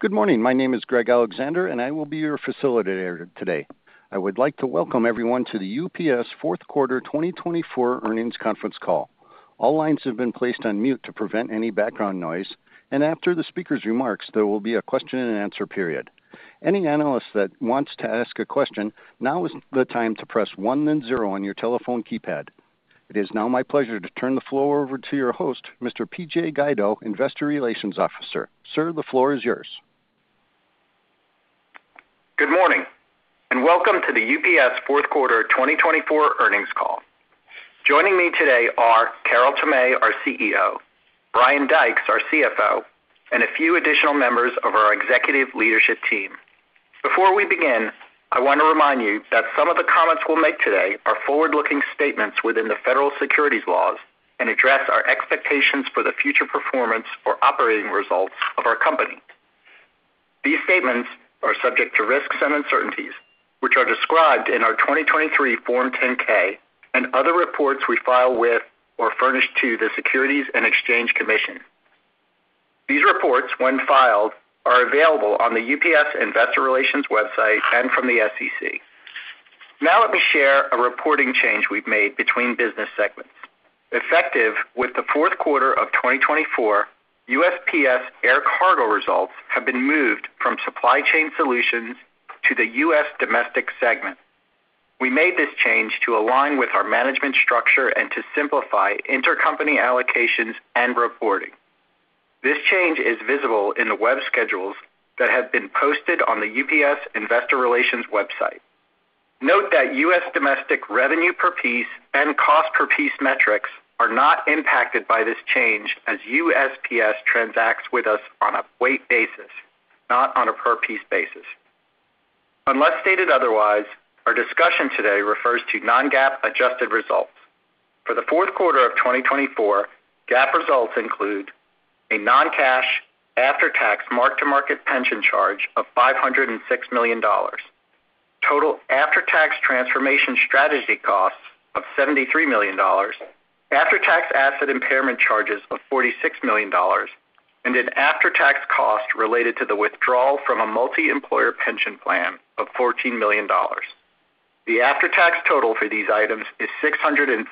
Good morning. My name is Greg Alexander, and I will be your facilitator today. I would like to welcome everyone to the UPS fourth quarter 2024 earnings conference call. All lines have been placed on mute to prevent any background noise, and after the speaker's remarks, there will be a question-and-answer period. Any analyst that wants to ask a question, now is the time to press one and zero on your telephone keypad. It is now my pleasure to turn the floor over to your host, Mr. PJ Guido, Investor Relations Officer. Sir, the floor is yours. Good morning and welcome to the UPS Fourth Quarter 2024 earnings call. Joining me today are Carol Tomé, our CEO, Brian Dykes, our CFO, and a few additional members of our executive leadership team. Before we begin, I want to remind you that some of the comments we'll make today are forward-looking statements within the federal securities laws and address our expectations for the future performance or operating results of our company. These statements are subject to risks and uncertainties, which are described in our 2023 Form 10-K and other reports we file with or furnish to the Securities and Exchange Commission. These reports, when filed, are available on the UPS Investor Relations website and from the SEC. Now let me share a reporting change we've made between business segments. Effective with the fourth quarter of 2024, USPS air cargo results have been moved from Supply Chain Solutions to the U.S. Domestic segment. We made this change to align with our management structure and to simplify intercompany allocations and reporting. This change is visible in the web schedules that have been posted on the UPS Investor Relations website. Note that U.S. Domestic revenue per piece and cost per piece metrics are not impacted by this change, as USPS transacts with us on a weight basis, not on a per piece basis. Unless stated otherwise, our discussion today refers to non-GAAP adjusted results. For the fourth quarter of 2024, GAAP results include a non-cash after-tax mark-to-market pension charge of $506 million, total after-tax transformation strategy costs of $73 million, after-tax asset impairment charges of $46 million, and an after-tax cost related to the withdrawal from a multi-employer pension plan of $14 million. The after-tax total for these items is $639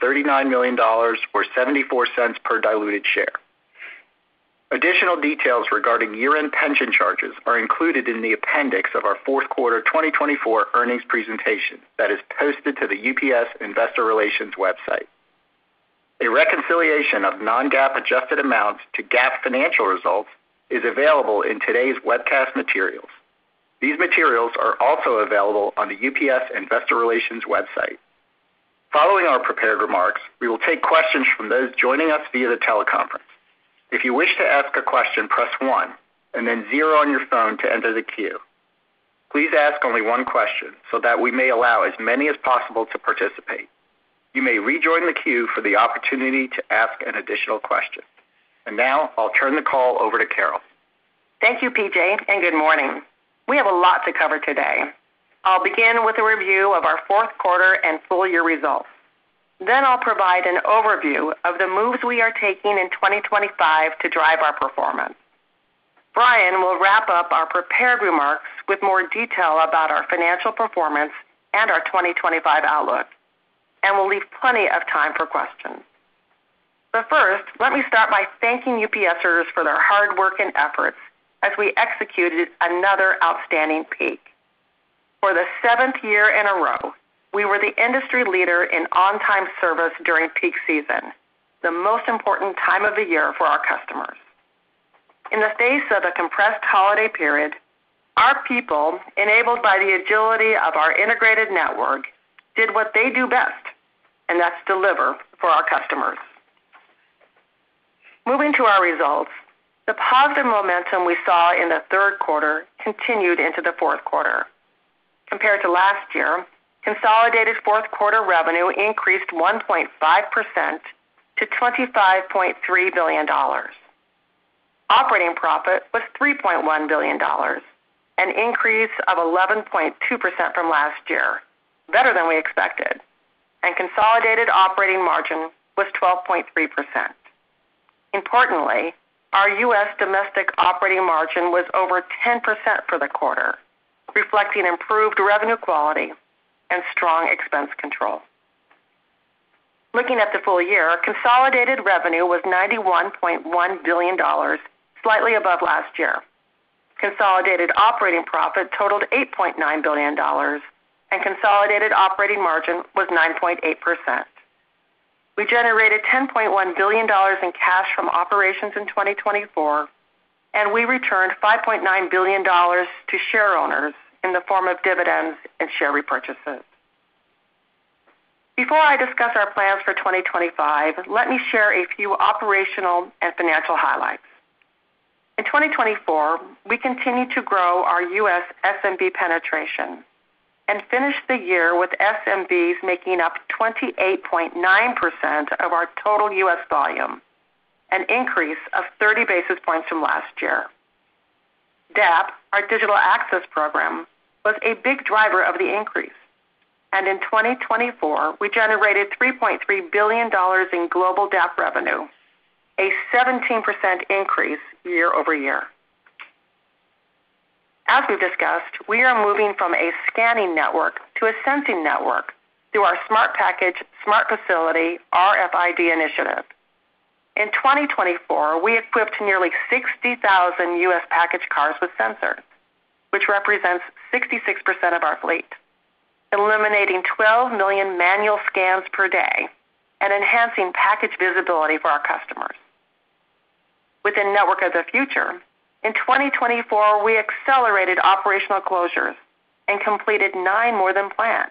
million or $0.74 per diluted share. Additional details regarding year-end pension charges are included in the appendix of our Fourth Quarter 2024 earnings presentation that is posted to the UPS Investor Relations website. A reconciliation of non-GAAP adjusted amounts to GAAP financial results is available in today's webcast materials. These materials are also available on the UPS Investor Relations website. Following our prepared remarks, we will take questions from those joining us via the teleconference. If you wish to ask a question, press one and then zero on your phone to enter the queue. Please ask only one question so that we may allow as many as possible to participate. You may rejoin the queue for the opportunity to ask an additional question, and now I'll turn the call over to Carol. Thank you, PJ, and good morning. We have a lot to cover today. I'll begin with a review of our fourth quarter and full year results. Then I'll provide an overview of the moves we are taking in 2025 to drive our performance. Brian will wrap up our prepared remarks with more detail about our financial performance and our 2025 outlook, and we'll leave plenty of time for questions. But first, let me start by thanking UPSers for their hard work and efforts as we executed another outstanding peak. For the seventh year in a row, we were the industry leader in on-time service during peak season, the most important time of the year for our customers. In the face of a compressed holiday period, our people, enabled by the agility of our integrated network, did what they do best, and that's deliver for our customers. Moving to our results, the positive momentum we saw in the third quarter continued into the fourth quarter. Compared to last year, consolidated fourth quarter revenue increased 1.5% to $25.3 billion. Operating profit was $3.1 billion, an increase of 11.2% from last year, better than we expected, and consolidated operating margin was 12.3%. Importantly, our U.S. domestic operating margin was over 10% for the quarter, reflecting improved revenue quality and strong expense control. Looking at the full year, consolidated revenue was $91.1 billion, slightly above last year. Consolidated operating profit totaled $8.9 billion, and consolidated operating margin was 9.8%. We generated $10.1 billion in cash from operations in 2024, and we returned $5.9 billion to share owners in the form of dividends and share repurchases. Before I discuss our plans for 2025, let me share a few operational and financial highlights. In 2024, we continue to grow our U.S. SMB penetration and finished the year with SMBs making up 28.9% of our total U.S. volume, an increase of 30 basis points from last year. DAP, our Digital Access Program, was a big driver of the increase, and in 2024, we generated $3.3 billion in global DAP revenue, a 17% increase year over year. As we've discussed, we are moving from a scanning network to a sensing network through our Smart Package Smart Facility RFID initiative. In 2024, we equipped nearly 60,000 U.S. package cars with sensors, which represents 66% of our fleet, eliminating 12 million manual scans per day and enhancing package visibility for our customers. With a Network of the Future, in 2024, we accelerated operational closures and completed nine more than planned,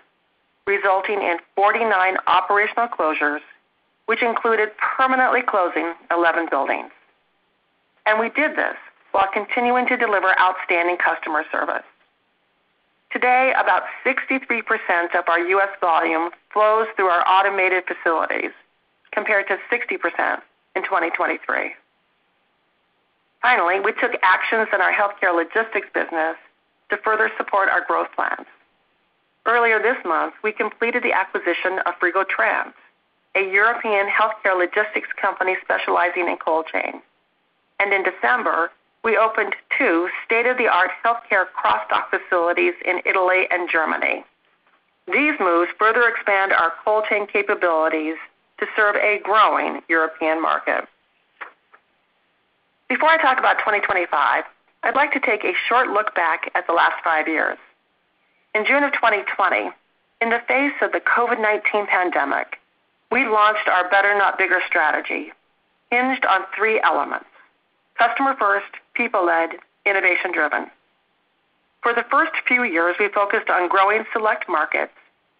resulting in 49 operational closures, which included permanently closing 11 buildings. We did this while continuing to deliver outstanding customer service. Today, about 63% of our U.S. volume flows through our automated facilities, compared to 60% in 2023. Finally, we took actions in our healthcare logistics business to further support our growth plans. Earlier this month, we completed the acquisition of Frigo-Trans, a European healthcare logistics company specializing in cold chain. In December, we opened two state-of-the-art healthcare cross-dock facilities in Italy and Germany. These moves further expand our cold chain capabilities to serve a growing European market. Before I talk about 2025, I'd like to take a short look back at the last five years. In June of 2020, in the face of the COVID-19 pandemic, we launched our Better Not Bigger strategy, hinged on three elements: customer-first, people-led, innovation-driven. For the first few years, we focused on growing select markets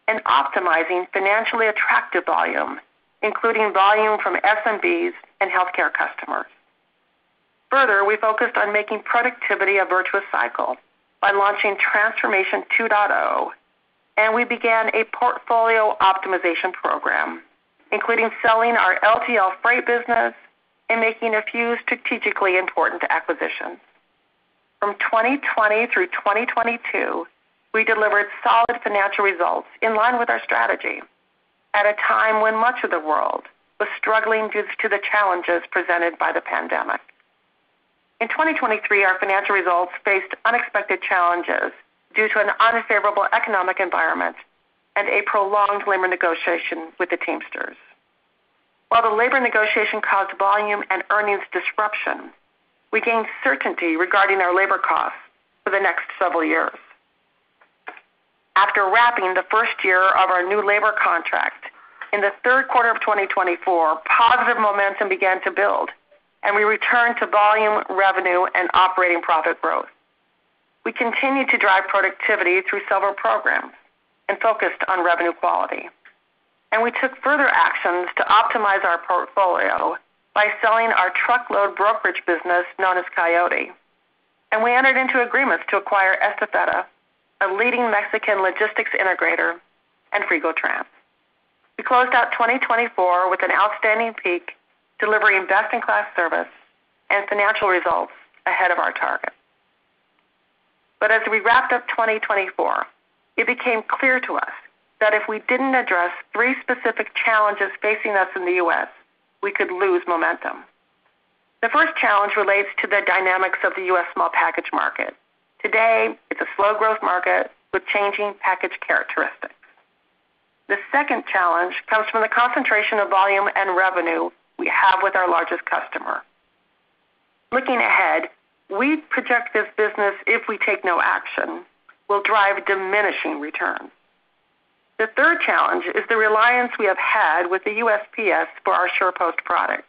and optimizing financially attractive volume, including volume from SMBs and healthcare customers. Further, we focused on making productivity a virtuous cycle by launching Transformation 2.0, and we began a portfolio optimization program, including selling our LTL freight business and making a few strategically important acquisitions. From 2020 through 2022, we delivered solid financial results in line with our strategy at a time when much of the world was struggling due to the challenges presented by the pandemic. In 2023, our financial results faced unexpected challenges due to an unfavorable economic environment and a prolonged labor negotiation with the Teamsters. While the labor negotiation caused volume and earnings disruption, we gained certainty regarding our labor costs for the next several years. After wrapping the first year of our new labor contract, in the third quarter of 2024, positive momentum began to build, and we returned to volume, revenue, and operating profit growth. We continued to drive productivity through several programs and focused on revenue quality. And we took further actions to optimize our portfolio by selling our truckload brokerage business known as Coyote. And we entered into agreements to acquire Estafeta, a leading Mexican logistics integrator, and Frigo-Trans. We closed out 2024 with an outstanding peak, delivering best-in-class service and financial results ahead of our target. But as we wrapped up 2024, it became clear to us that if we didn't address three specific challenges facing us in the U.S., we could lose momentum. The first challenge relates to the dynamics of the U.S. small package market. Today, it's a slow-growth market with changing package characteristics. The second challenge comes from the concentration of volume and revenue we have with our largest customer. Looking ahead, we project this business, if we take no action, will drive diminishing returns. The third challenge is the reliance we have had with the USPS for our SurePost products.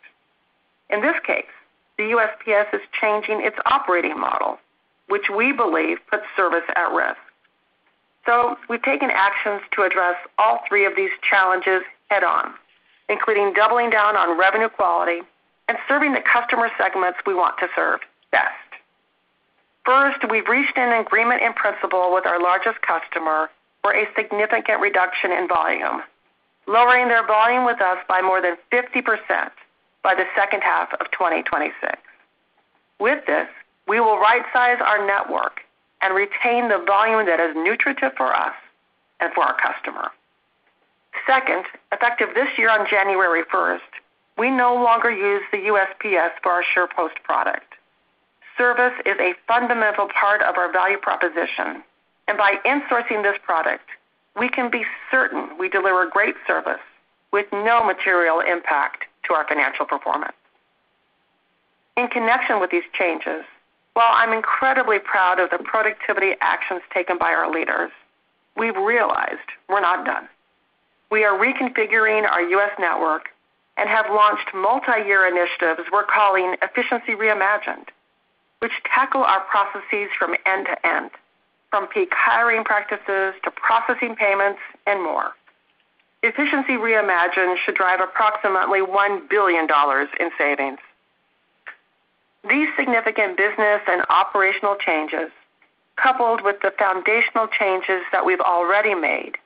In this case, the USPS is changing its operating model, which we believe puts service at risk. So we've taken actions to address all three of these challenges head-on, including doubling down on revenue quality and serving the customer segments we want to serve best. First, we've reached an agreement in principle with our largest customer for a significant reduction in volume, lowering their volume with us by more than 50% by the second half of 2026. With this, we will right-size our network and retain the volume that is nutritious for us and for our customer. Second, effective this year on January 1st, we no longer use the USPS for our SurePost product. Service is a fundamental part of our value proposition, and by insourcing this product, we can be certain we deliver great service with no material impact to our financial performance. In connection with these changes, while I'm incredibly proud of the productivity actions taken by our leaders, we've realized we're not done. We are reconfiguring our U.S. network and have launched multi-year initiatives we're calling Efficiency Reimagined, which tackle our processes from end to end, from peak hiring practices to processing payments and more. Efficiency Reimagined should drive approximately $1 billion in savings. These significant business and operational changes, coupled with the foundational changes that we've already made,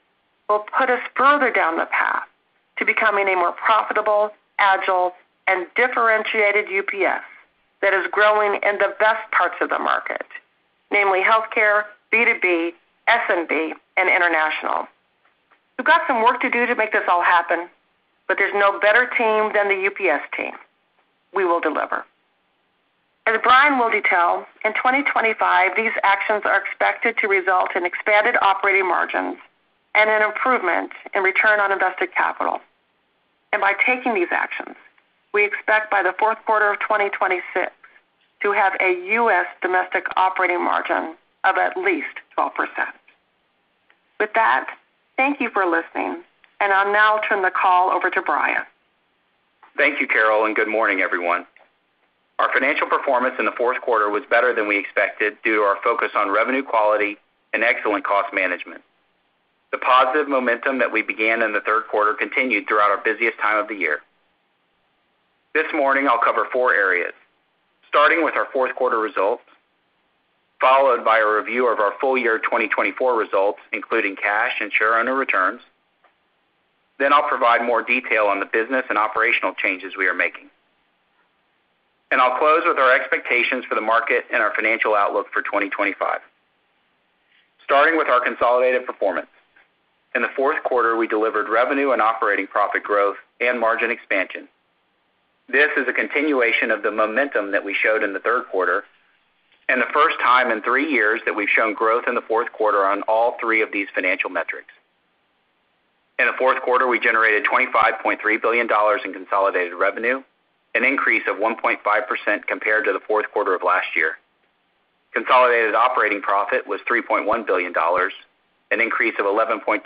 will put us further down the path to becoming a more profitable, agile, and differentiated UPS that is growing in the best parts of the market, namely healthcare, B2B, SMB, and international. We've got some work to do to make this all happen, but there's no better team than the UPS team. We will deliver. As Brian will detail, in 2025, these actions are expected to result in expanded operating margins and an improvement in return on invested capital, and by taking these actions, we expect by the fourth quarter of 2026 to have a U.S. domestic operating margin of at least 12%. With that, thank you for listening, and I'll now turn the call over to Brian. Thank you, Carol, and good morning, everyone. Our financial performance in the fourth quarter was better than we expected due to our focus on revenue quality and excellent cost management. The positive momentum that we began in the third quarter continued throughout our busiest time of the year. This morning, I'll cover four areas, starting with our fourth quarter results, followed by a review of our full year 2024 results, including cash and shareowner returns. Then I'll provide more detail on the business and operational changes we are making. And I'll close with our expectations for the market and our financial outlook for 2025. Starting with our consolidated performance, in the fourth quarter, we delivered revenue and operating profit growth and margin expansion. This is a continuation of the momentum that we showed in the third quarter and the first time in three years that we've shown growth in the fourth quarter on all three of these financial metrics. In the fourth quarter, we generated $25.3 billion in consolidated revenue, an increase of 1.5% compared to the fourth quarter of last year. Consolidated operating profit was $3.1 billion, an increase of 11.2%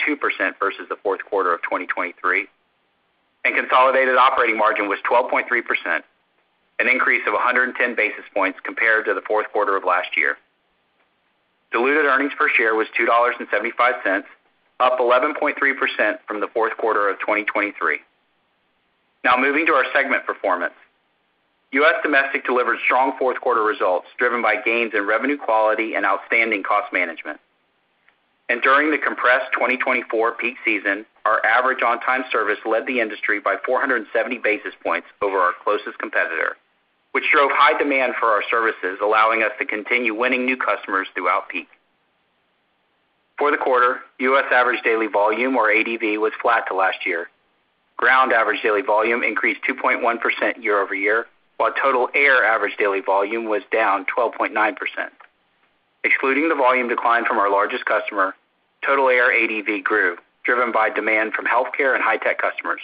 versus the fourth quarter of 2023. And consolidated operating margin was 12.3%, an increase of 110 basis points compared to the fourth quarter of last year. Diluted earnings per share was $2.75, up 11.3% from the fourth quarter of 2023. Now moving to our segment performance, U.S. domestic delivered strong fourth quarter results driven by gains in revenue quality and outstanding cost management. During the compressed 2024 peak season, our average on-time service led the industry by 470 basis points over our closest competitor, which drove high demand for our services, allowing us to continue winning new customers throughout peak. For the quarter, U.S. average daily volume, or ADV, was flat to last year. Ground average daily volume increased 2.1% year over year, while total air average daily volume was down 12.9%. Excluding the volume decline from our largest customer, total air ADV grew, driven by demand from healthcare and high-tech customers.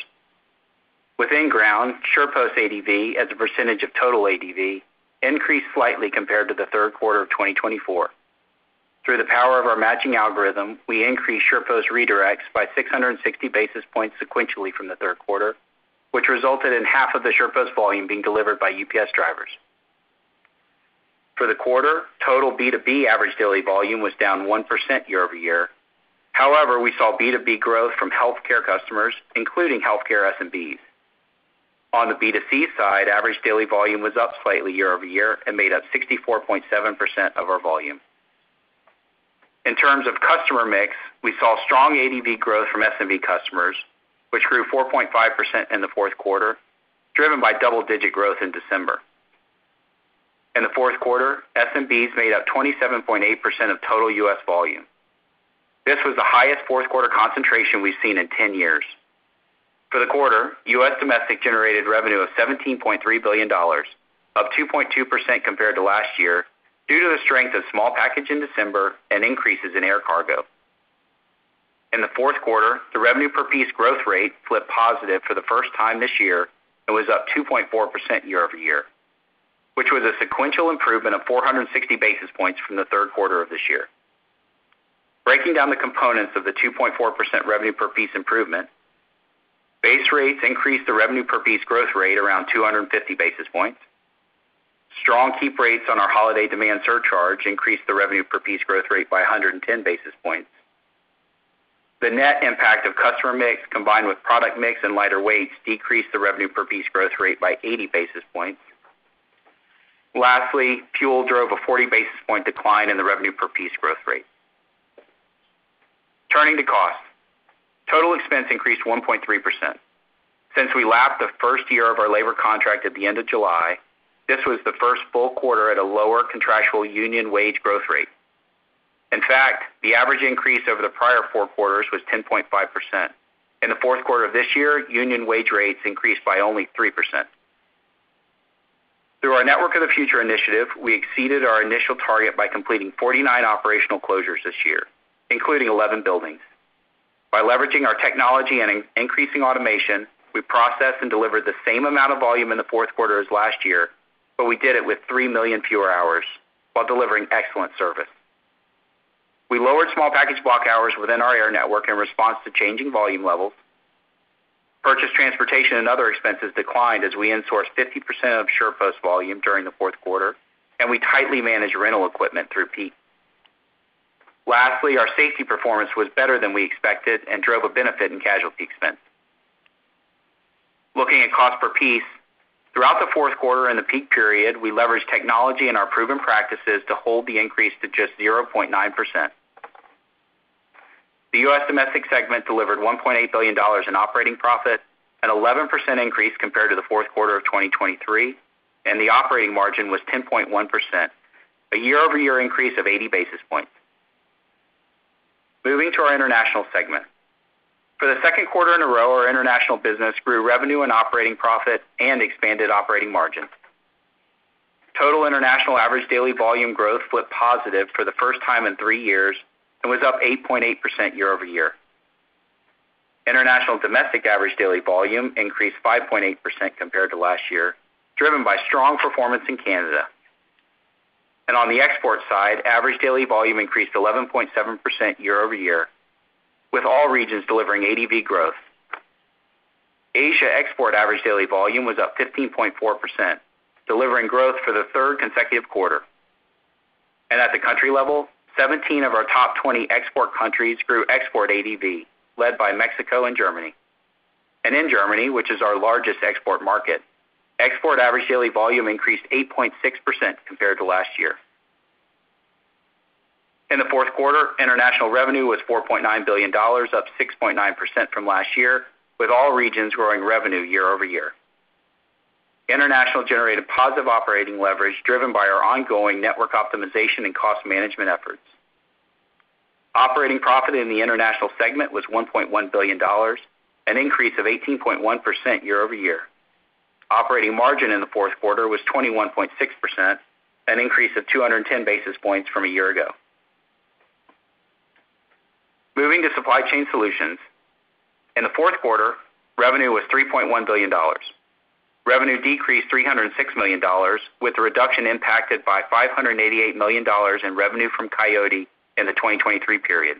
Within Ground, SurePost ADV, as a percentage of total ADV, increased slightly compared to the third quarter of 2024. Through the power of our matching algorithm, we increased SurePost redirects by 660 basis points sequentially from the third quarter, which resulted in half of the SurePost volume being delivered by UPS drivers. For the quarter, total B2B average daily volume was down 1% year over year. However, we saw B2B growth from healthcare customers, including healthcare SMBs. On the B2C side, average daily volume was up slightly year over year and made up 64.7% of our volume. In terms of customer mix, we saw strong ADV growth from SMB customers, which grew 4.5% in the fourth quarter, driven by double-digit growth in December. In the fourth quarter, SMBs made up 27.8% of total U.S. volume. This was the highest fourth quarter concentration we've seen in 10 years. For the quarter, U.S. domestic generated revenue of $17.3 billion, up 2.2% compared to last year due to the strength of small package in December and increases in air cargo. In the fourth quarter, the revenue per piece growth rate flipped positive for the first time this year and was up 2.4% year over year, which was a sequential improvement of 460 basis points from the third quarter of this year. Breaking down the components of the 2.4% revenue per piece improvement, base rates increased the revenue per piece growth rate around 250 basis points. Strong keep rates on our holiday demand surcharge increased the revenue per piece growth rate by 110 basis points. The net impact of customer mix combined with product mix and lighter weights decreased the revenue per piece growth rate by 80 basis points. Lastly, fuel drove a 40 basis point decline in the revenue per piece growth rate. Turning to cost, total expense increased 1.3%. Since we lapped the first year of our labor contract at the end of July, this was the first full quarter at a lower contractual union wage growth rate. In fact, the average increase over the prior four quarters was 10.5%. In the fourth quarter of this year, union wage rates increased by only 3%. Through our Network of the Future initiative, we exceeded our initial target by completing 49 operational closures this year, including 11 buildings. By leveraging our technology and increasing automation, we processed and delivered the same amount of volume in the fourth quarter as last year, but we did it with three million fewer hours while delivering excellent service. We lowered small package block hours within our air network in response to changing volume levels. Purchase transportation and other expenses declined as we insourced 50% of SurePost volume during the fourth quarter, and we tightly managed rental equipment through peak. Lastly, our safety performance was better than we expected and drove a benefit in casualty expense. Looking at cost per piece, throughout the fourth quarter and the peak period, we leveraged technology and our proven practices to hold the increase to just 0.9%. The U.S. domestic segment delivered $1.8 billion in operating profit, an 11% increase compared to the fourth quarter of 2023, and the operating margin was 10.1%, a year-over-year increase of 80 basis points. Moving to our international segment. For the second quarter in a row, our international business grew revenue and operating profit and expanded operating margins. Total international average daily volume growth flipped positive for the first time in three years and was up 8.8% year over year. International domestic average daily volume increased 5.8% compared to last year, driven by strong performance in Canada. And on the export side, average daily volume increased 11.7% year over year, with all regions delivering ADV growth. Asia export average daily volume was up 15.4%, delivering growth for the third consecutive quarter. And at the country level, 17 of our top 20 export countries grew export ADV, led by Mexico and Germany. And in Germany, which is our largest export market, export average daily volume increased 8.6% compared to last year. In the fourth quarter, international revenue was $4.9 billion, up 6.9% from last year, with all regions growing revenue year over year. International generated positive operating leverage driven by our ongoing network optimization and cost management efforts. Operating profit in the international segment was $1.1 billion, an increase of 18.1% year over year. Operating margin in the fourth quarter was 21.6%, an increase of 210 basis points from a year ago. Moving to supply chain solutions. In the fourth quarter, revenue was $3.1 billion. Revenue decreased $306 million, with the reduction impacted by $588 million in revenue from Coyote in the 2023 period.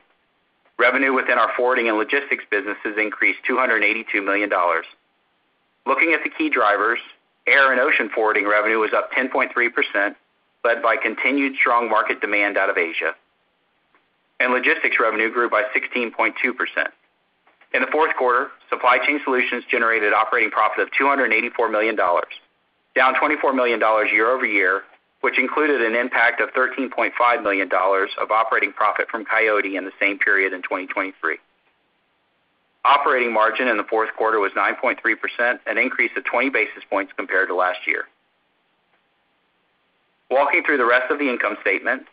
Revenue within our forwarding and logistics businesses increased $282 million. Looking at the key drivers, air and ocean forwarding revenue was up 10.3%, led by continued strong market demand out of Asia, and logistics revenue grew by 16.2%. In the fourth quarter, supply chain solutions generated operating profit of $284 million, down $24 million year over year, which included an impact of $13.5 million of operating profit from Coyote in the same period in 2023. Operating margin in the fourth quarter was 9.3%, an increase of 20 basis points compared to last year. Walking through the rest of the income statement,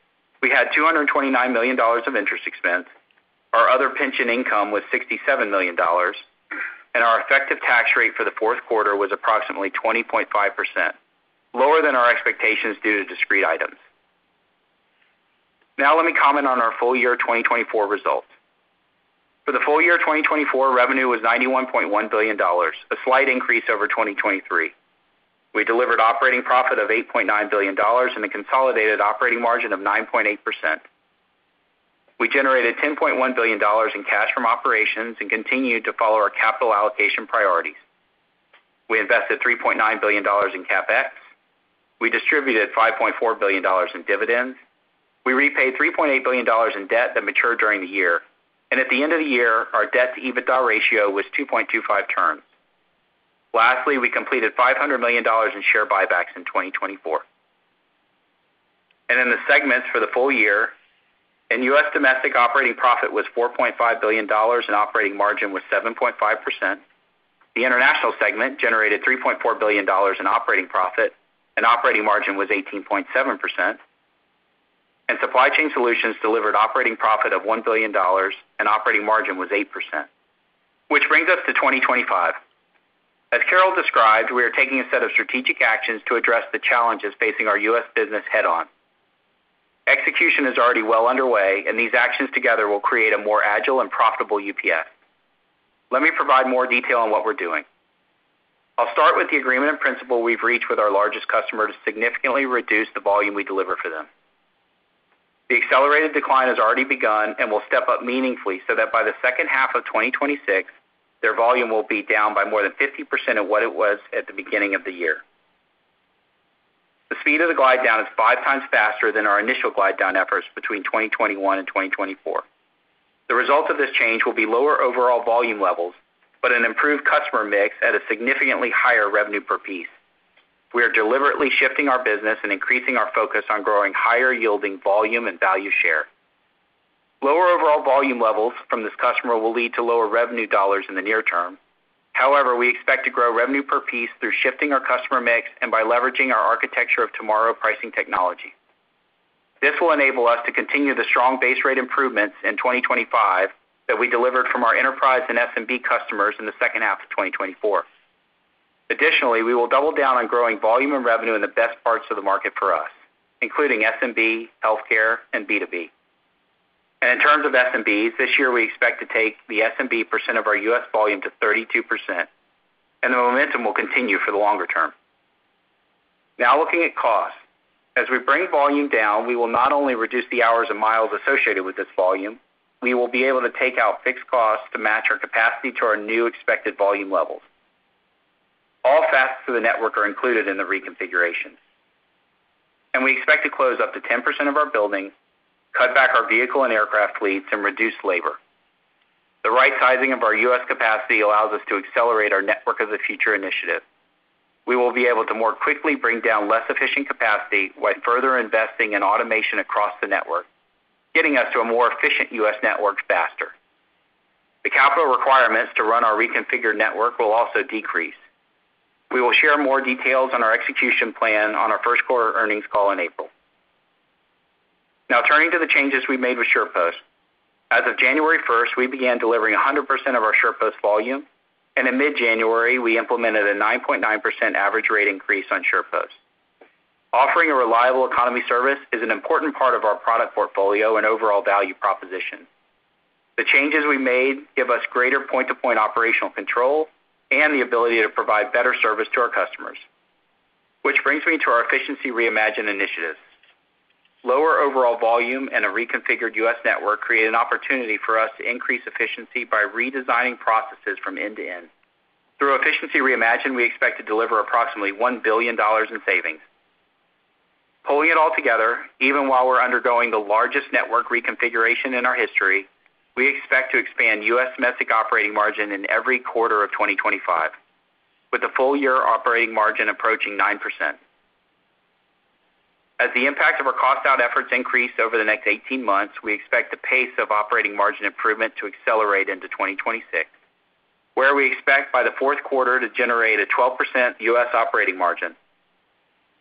we had $229 million of interest expense. Our other pension income was $67 million, and our effective tax rate for the fourth quarter was approximately 20.5%, lower than our expectations due to discrete items. Now let me comment on our full year 2024 results. For the full year 2024, revenue was $91.1 billion, a slight increase over 2023. We delivered operating profit of $8.9 billion and a consolidated operating margin of 9.8%. We generated $10.1 billion in cash from operations and continued to follow our capital allocation priorities. We invested $3.9 billion in CapEx. We distributed $5.4 billion in dividends. We repaid $3.8 billion in debt that matured during the year, and at the end of the year, our debt-to-EBITDA ratio was 2.25 turns. Lastly, we completed $500 million in share buybacks in 2024. In the segments for the full year, in U.S. domestic operating profit was $4.5 billion and operating margin was 7.5%. The international segment generated $3.4 billion in operating profit and operating margin was 18.7%. Supply Chain Solutions delivered operating profit of $1 billion and operating margin was 8%, which brings us to 2025. As Carol described, we are taking a set of strategic actions to address the challenges facing our U.S. business head-on. Execution is already well underway, and these actions together will create a more agile and profitable UPS. Let me provide more detail on what we're doing. I'll start with the agreement in principle we've reached with our largest customer to significantly reduce the volume we deliver for them. The accelerated decline has already begun and will step up meaningfully so that by the second half of 2026, their volume will be down by more than 50% of what it was at the beginning of the year. The speed of the glide down is five times faster than our initial glide down efforts between 2021 and 2024. The result of this change will be lower overall volume levels, but an improved customer mix at a significantly higher revenue per piece. We are deliberately shifting our business and increasing our focus on growing higher-yielding volume and value share. Lower overall volume levels from this customer will lead to lower revenue dollars in the near term. However, we expect to grow revenue per piece through shifting our customer mix and by leveraging our Architecture of Tomorrow pricing technology. This will enable us to continue the strong base rate improvements in 2025 that we delivered from our enterprise and SMB customers in the second half of 2024. Additionally, we will double down on growing volume and revenue in the best parts of the market for us, including SMB, healthcare, and B2B. And in terms of SMBs, this year we expect to take the SMB percent of our U.S. volume to 32%, and the momentum will continue for the longer term. Now looking at cost, as we bring volume down, we will not only reduce the hours and miles associated with this volume, we will be able to take out fixed costs to match our capacity to our new expected volume levels. All facets of the network are included in the reconfiguration. And we expect to close up to 10% of our buildings, cut back our vehicle and aircraft fleets, and reduce labor. The right sizing of our U.S. capacity allows us to accelerate our Network of the Future initiative. We will be able to more quickly bring down less efficient capacity by further investing in automation across the network, getting us to a more efficient U.S. network faster. The capital requirements to run our reconfigured network will also decrease. We will share more details on our execution plan on our first quarter earnings call in April. Now turning to the changes we made with SurePost. As of January 1st, we began delivering 100% of our SurePost volume, and in mid-January, we implemented a 9.9% average rate increase on SurePost. Offering a reliable economy service is an important part of our product portfolio and overall value proposition. The changes we made give us greater point-to-point operational control and the ability to provide better service to our customers, which brings me to our Efficiency Reimagined initiatives. Lower overall volume and a reconfigured U.S. network create an opportunity for us to increase efficiency by redesigning processes from end to end. Through Efficiency Reimagined, we expect to deliver approximately $1 billion in savings. Pulling it all together, even while we're undergoing the largest network reconfiguration in our history, we expect to expand U.S. domestic operating margin in every quarter of 2025, with the full year operating margin approaching 9%. As the impact of our cost-out efforts increase over the next 18 months, we expect the pace of operating margin improvement to accelerate into 2026, where we expect by the fourth quarter to generate a 12% U.S. operating margin,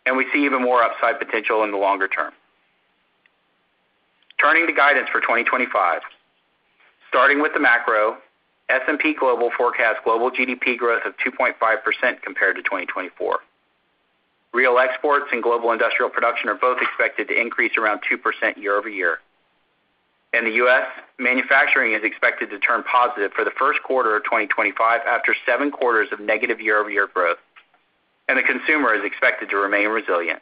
and we see even more upside potential in the longer term. Turning to guidance for 2025, starting with the macro, S&P Global forecasts global GDP growth of 2.5% compared to 2024. Real exports and global industrial production are both expected to increase around 2% year over year. In the U.S., manufacturing is expected to turn positive for the first quarter of 2025 after seven quarters of negative year-over-year growth, and the consumer is expected to remain resilient.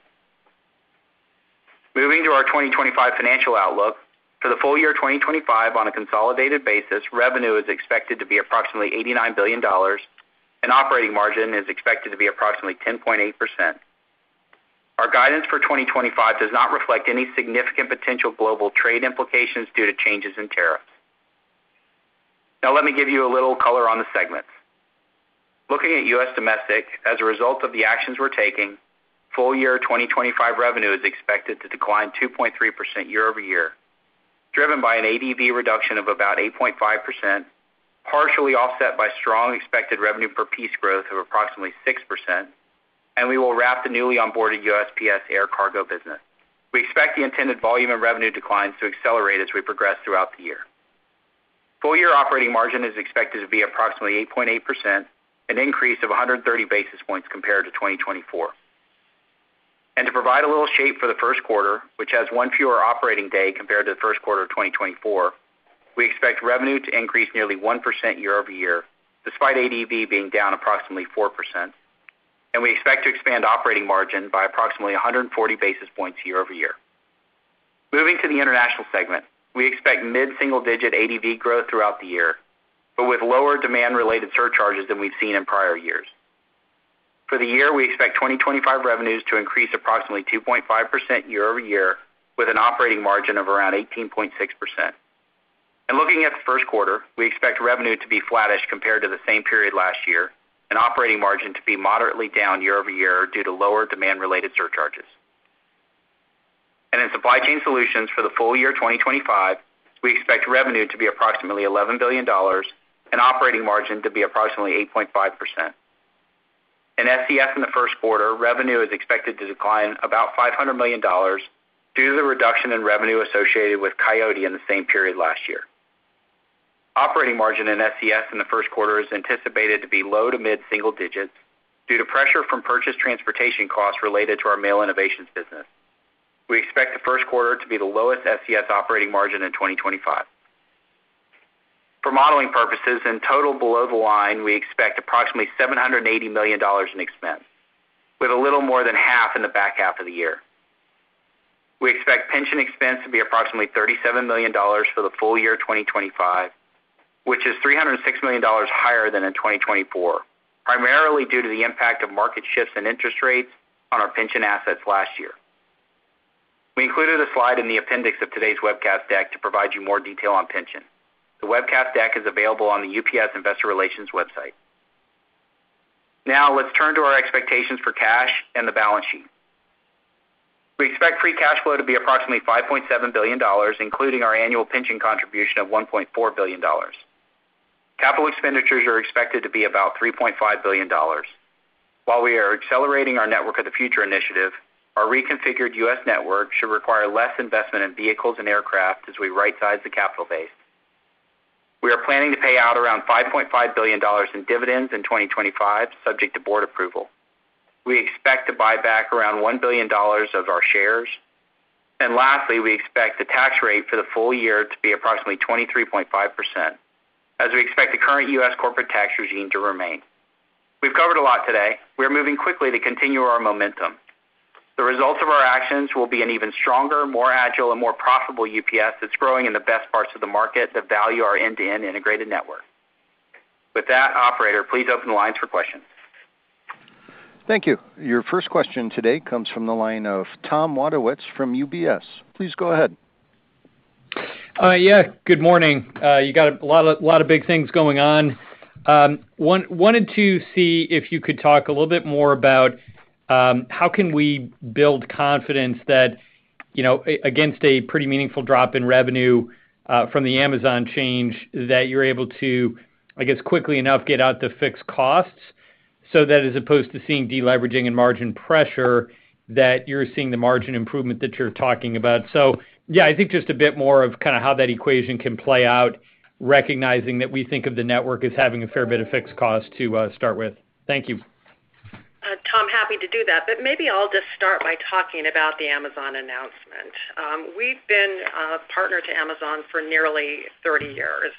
Moving to our 2025 financial outlook, for the full year 2025 on a consolidated basis, revenue is expected to be approximately $89 billion, and operating margin is expected to be approximately 10.8%. Our guidance for 2025 does not reflect any significant potential global trade implications due to changes in tariffs. Now let me give you a little color on the segments. Looking at U.S. domestic, as a result of the actions we're taking, full year 2025 revenue is expected to decline 2.3% year-over-year, driven by an ADV reduction of about 8.5%, partially offset by strong expected revenue per piece growth of approximately 6%, and we will wrap the newly onboarded USPS air cargo business. We expect the intended volume and revenue declines to accelerate as we progress throughout the year. Full year operating margin is expected to be approximately 8.8%, an increase of 130 basis points compared to 2024. And to provide a little shape for the first quarter, which has one fewer operating day compared to the first quarter of 2024, we expect revenue to increase nearly 1% year-over-year, despite ADV being down approximately 4%. And we expect to expand operating margin by approximately 140 basis points year-over-year. Moving to the international segment, we expect mid-single-digit ADV growth throughout the year, but with lower demand-related surcharges than we've seen in prior years. For the year, we expect 2025 revenues to increase approximately 2.5% year-over-year, with an operating margin of around 18.6%. And looking at the first quarter, we expect revenue to be flattish compared to the same period last year, and operating margin to be moderately down year-over-year due to lower demand-related surcharges. And in supply chain solutions for the full year 2025, we expect revenue to be approximately $11 billion, and operating margin to be approximately 8.5%. In SCS in the first quarter, revenue is expected to decline about $500 million due to the reduction in revenue associated with Coyote in the same period last year. Operating margin in SCS in the first quarter is anticipated to be low to mid-single digits due to pressure from purchase transportation costs related to our Mail Innovations business. We expect the first quarter to be the lowest SES operating margin in 2025. For modeling purposes, in total below the line, we expect approximately $780 million in expense, with a little more than half in the back half of the year. We expect pension expense to be approximately $37 million for the full year 2025, which is $306 million higher than in 2024, primarily due to the impact of market shifts in interest rates on our pension assets last year. We included a slide in the appendix of today's webcast deck to provide you more detail on pension. The webcast deck is available on the UPS Investor Relations website. Now let's turn to our expectations for cash and the balance sheet. We expect free cash flow to be approximately $5.7 billion, including our annual pension contribution of $1.4 billion. Capital expenditures are expected to be about $3.5 billion. While we are accelerating our Network of the Future initiative, our reconfigured U.S. network should require less investment in vehicles and aircraft as we right-size the capital base. We are planning to pay out around $5.5 billion in dividends in 2025, subject to Board approval. We expect to buy back around $1 billion of our shares. And lastly, we expect the tax rate for the full year to be approximately 23.5%, as we expect the current U.S. corporate tax regime to remain. We've covered a lot today. We are moving quickly to continue our momentum. The results of our actions will be an even stronger, more agile, and more profitable UPS that's growing in the best parts of the market that value our end-to-end integrated network. With that, Operator, please open the lines for questions. Thank you. Your first question today comes from the line of Tom Wadewitz from UBS. Please go ahead. Yeah, good morning. You got a lot of big things going on. Wanted to see if you could talk a little bit more about how can we build confidence that against a pretty meaningful drop in revenue from the Amazon change that you're able to, I guess, quickly enough get out the fixed costs so that as opposed to seeing deleveraging and margin pressure, that you're seeing the margin improvement that you're talking about. So yeah, I think just a bit more of kind of how that equation can play out, recognizing that we think of the network as having a fair bit of fixed cost to start with. Thank you. Tom, happy to do that. But maybe I'll just start by talking about the Amazon announcement. We've been a partner to Amazon for nearly 30 years,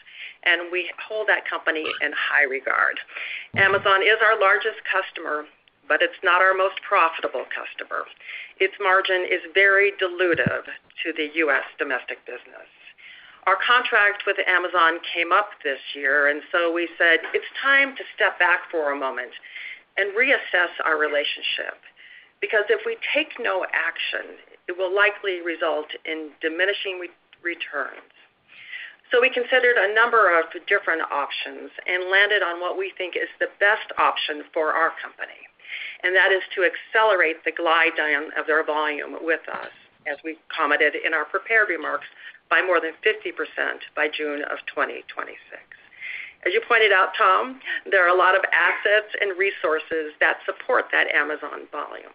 and we hold that company in high regard. Amazon is our largest customer, but it's not our most profitable customer. Its margin is very dilutive to the U.S. domestic business. Our contract with Amazon came up this year, and so we said it's time to step back for a moment and reassess our relationship because if we take no action, it will likely result in diminishing returns. We considered a number of different options and landed on what we think is the best option for our company. That is to accelerate the glide down of their volume with us, as we commented in our prepared remarks, by more than 50% by June of 2026. As you pointed out, Tom, there are a lot of assets and resources that support that Amazon volume.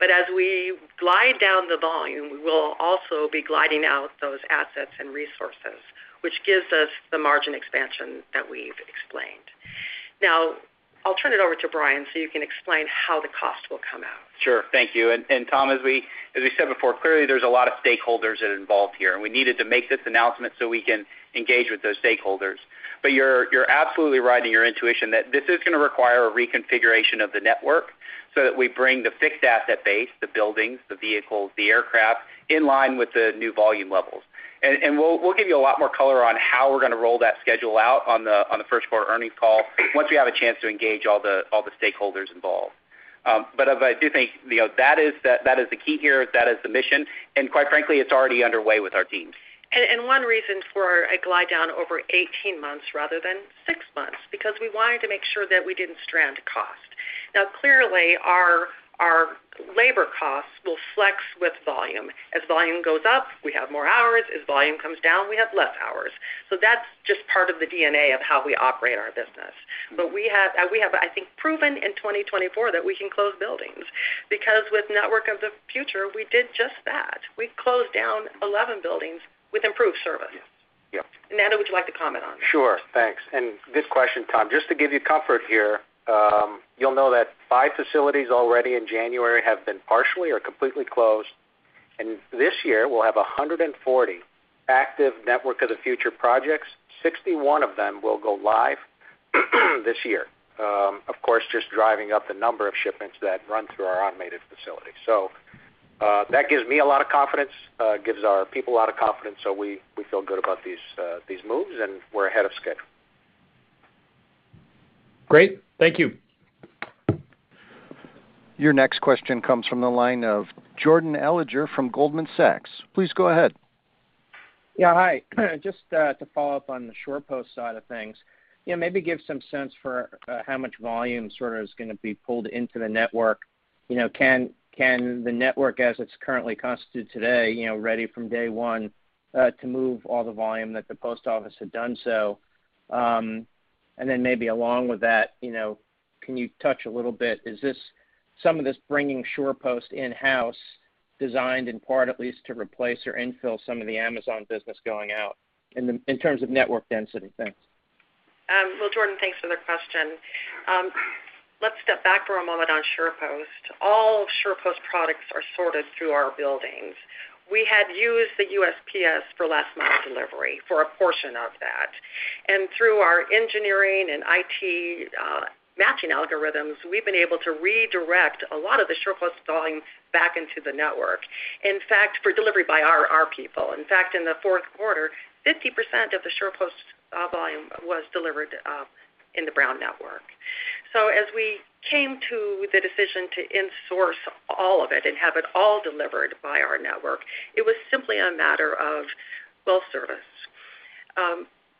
But as we glide down the volume, we will also be gliding out those assets and resources, which gives us the margin expansion that we've explained. Now, I'll turn it over to Brian so you can explain how the cost will come out. Sure. Thank you. Tom, as we said before, clearly there's a lot of stakeholders involved here, and we needed to make this announcement so we can engage with those stakeholders. But you're absolutely right in your intuition that this is going to require a reconfiguration of the network so that we bring the fixed asset base, the buildings, the vehicles, the aircraft in line with the new volume levels. And we'll give you a lot more color on how we're going to roll that schedule out on the first quarter earnings call once we have a chance to engage all the stakeholders involved. But I do think that is the key here. That is the mission. And quite frankly, it's already underway with our team. And one reason for a glide down over 18 months rather than six months is because we wanted to make sure that we didn't strand cost. Now, clearly, our labor costs will flex with volume. As volume goes up, we have more hours. As volume comes down, we have less hours. So that's just part of the DNA of how we operate our business. But we have, I think, proven in 2024 that we can close buildings because with Network of the Future, we did just that. We closed down 11 buildings with improved service. And Nando, would you like to comment on that? Sure. Thanks. And good question, Tom. Just to give you comfort here, you'll know that five facilities already in January have been partially or completely closed. And this year, we'll have 140 active Network of the Future projects. 61 of them will go live this year, of course, just driving up the number of shipments that run through our automated facility. So that gives me a lot of confidence, gives our people a lot of confidence, so we feel good about these moves, and we're ahead of schedule. Great. Thank you. Your next question comes from the line of Jordan Alliger from Goldman Sachs. Please go ahead. Yeah, hi. Just to follow up on the SurePost side of things, maybe give some sense for how much volume sort of is going to be pulled into the network. Can the network, as it's currently constituted today, ready from day one to move all the volume that the post office had done so? And then maybe along with that, can you touch a little bit? Is some of this bringing SurePost in-house designed in part at least to replace or infill some of the Amazon business going out in terms of network density? Thanks. Well, Jordan, thanks for the question. Let's step back for a moment on SurePost. All SurePost products are sorted through our buildings. We had used the USPS for last-mile delivery for a portion of that. And through our engineering and IT matching algorithms, we've been able to redirect a lot of the SurePost volume back into the network, in fact, for delivery by our people. In fact, in the fourth quarter, 50% of the SurePost volume was delivered in the Brown network. So as we came to the decision to insource all of it and have it all delivered by our network, it was simply a matter of service.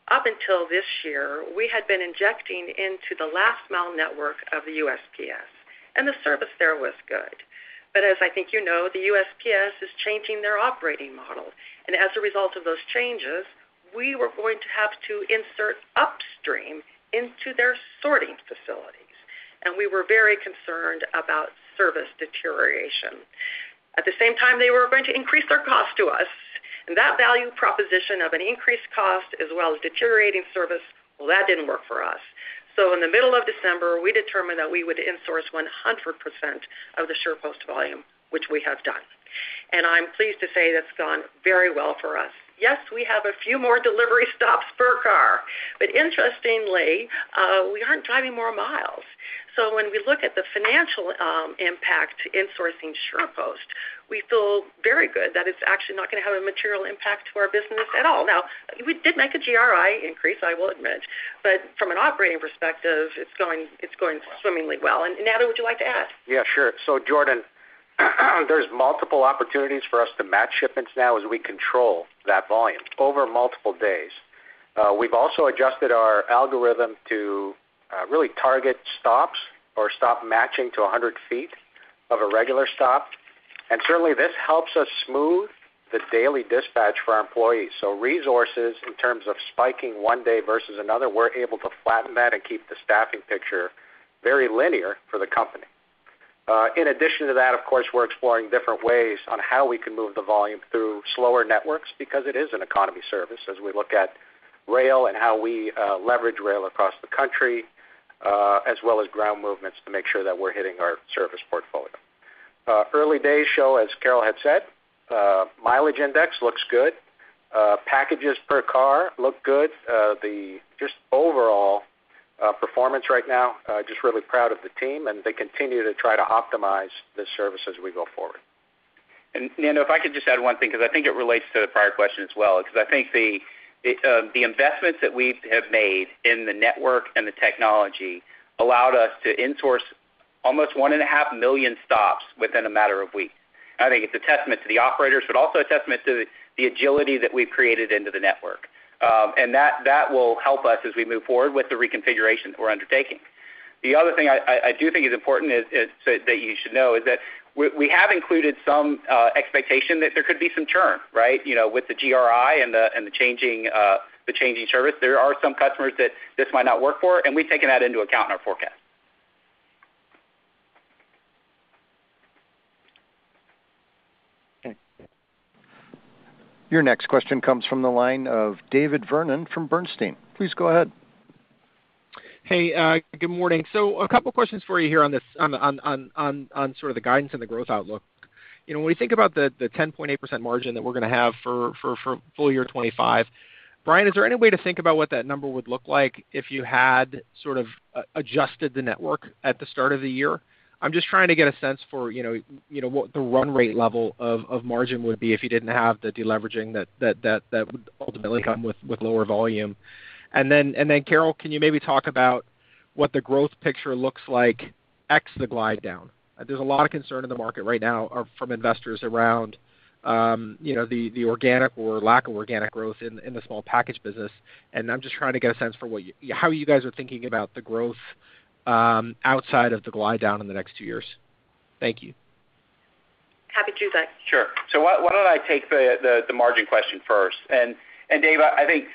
Up until this year, we had been injecting into the last-mile network of the USPS, and the service there was good. But as I think you know, the USPS is changing their operating model. And as a result of those changes, we were going to have to insert upstream into their sorting facilities. And we were very concerned about service deterioration. At the same time, they were going to increase their cost to us. And that value proposition of an increased cost as well as deteriorating service, well, that didn't work for us. So in the middle of December, we determined that we would insource 100% of the SurePost volume, which we have done. And I'm pleased to say that's gone very well for us. Yes, we have a few more delivery stops per car. But interestingly, we aren't driving more miles. So when we look at the financial impact to insourcing SurePost, we feel very good that it's actually not going to have a material impact to our business at all. Now, we did make a GRI increase, I will admit. But from an operating perspective, it's going swimmingly well. And Nando, would you like to add? Yeah, sure. Jordan, there's multiple opportunities for us to match shipments now as we control that volume over multiple days. We've also adjusted our algorithm to really target stops or stop matching to 100 feet of a regular stop. And certainly, this helps us smooth the daily dispatch for our employees. So resources in terms of spiking one day versus another, we're able to flatten that and keep the staffing picture very linear for the company. In addition to that, of course, we're exploring different ways on how we can move the volume through slower networks because it is an economy service as we look at rail and how we leverage rail across the country as well as ground movements to make sure that we're hitting our service portfolio. Early day show, as Carol had said, mileage index looks good. Packages per car look good. Just overall performance right now, just really proud of the team, and they continue to try to optimize the service as we go forward. And Nando, if I can just add one thing because I think it relates to the prior question as well, because I think the investments that we have made in the network and the technology allowed us to insource almost 1.5 million stops within a matter of weeks. I think it's a testament to the operators, but also a testament to the agility that we've created into the network. And that will help us as we move forward with the reconfiguration that we're undertaking. The other thing I do think is important that you should know is that we have included some expectation that there could be some churn, right, with the GRI and the changing service. There are some customers that this might not work for, and we've taken that into account in our forecast. Your next question comes from the line of David Vernon from Bernstein. Please go ahead. Hey, good morning. So a couple of questions for you here on sort of the guidance and the growth outlook. When we think about the 10.8% margin that we're going to have for full year 2025, Brian, is there any way to think about what that number would look like if you had sort of adjusted the network at the start of the year? I'm just trying to get a sense for what the run rate level of margin would be if you didn't have the deleveraging that would ultimately come with lower volume. And then, Carol, can you maybe talk about what the growth picture looks like ex the glide down? There's a lot of concern in the market right now from investors around the organic or lack of organic growth in the small package business, and I'm just trying to get a sense for how you guys are thinking about the growth outside of the glide down in the next two years. Thank you. Happy to do that. Sure. So, why don't I take the margin question first, and Dave, I think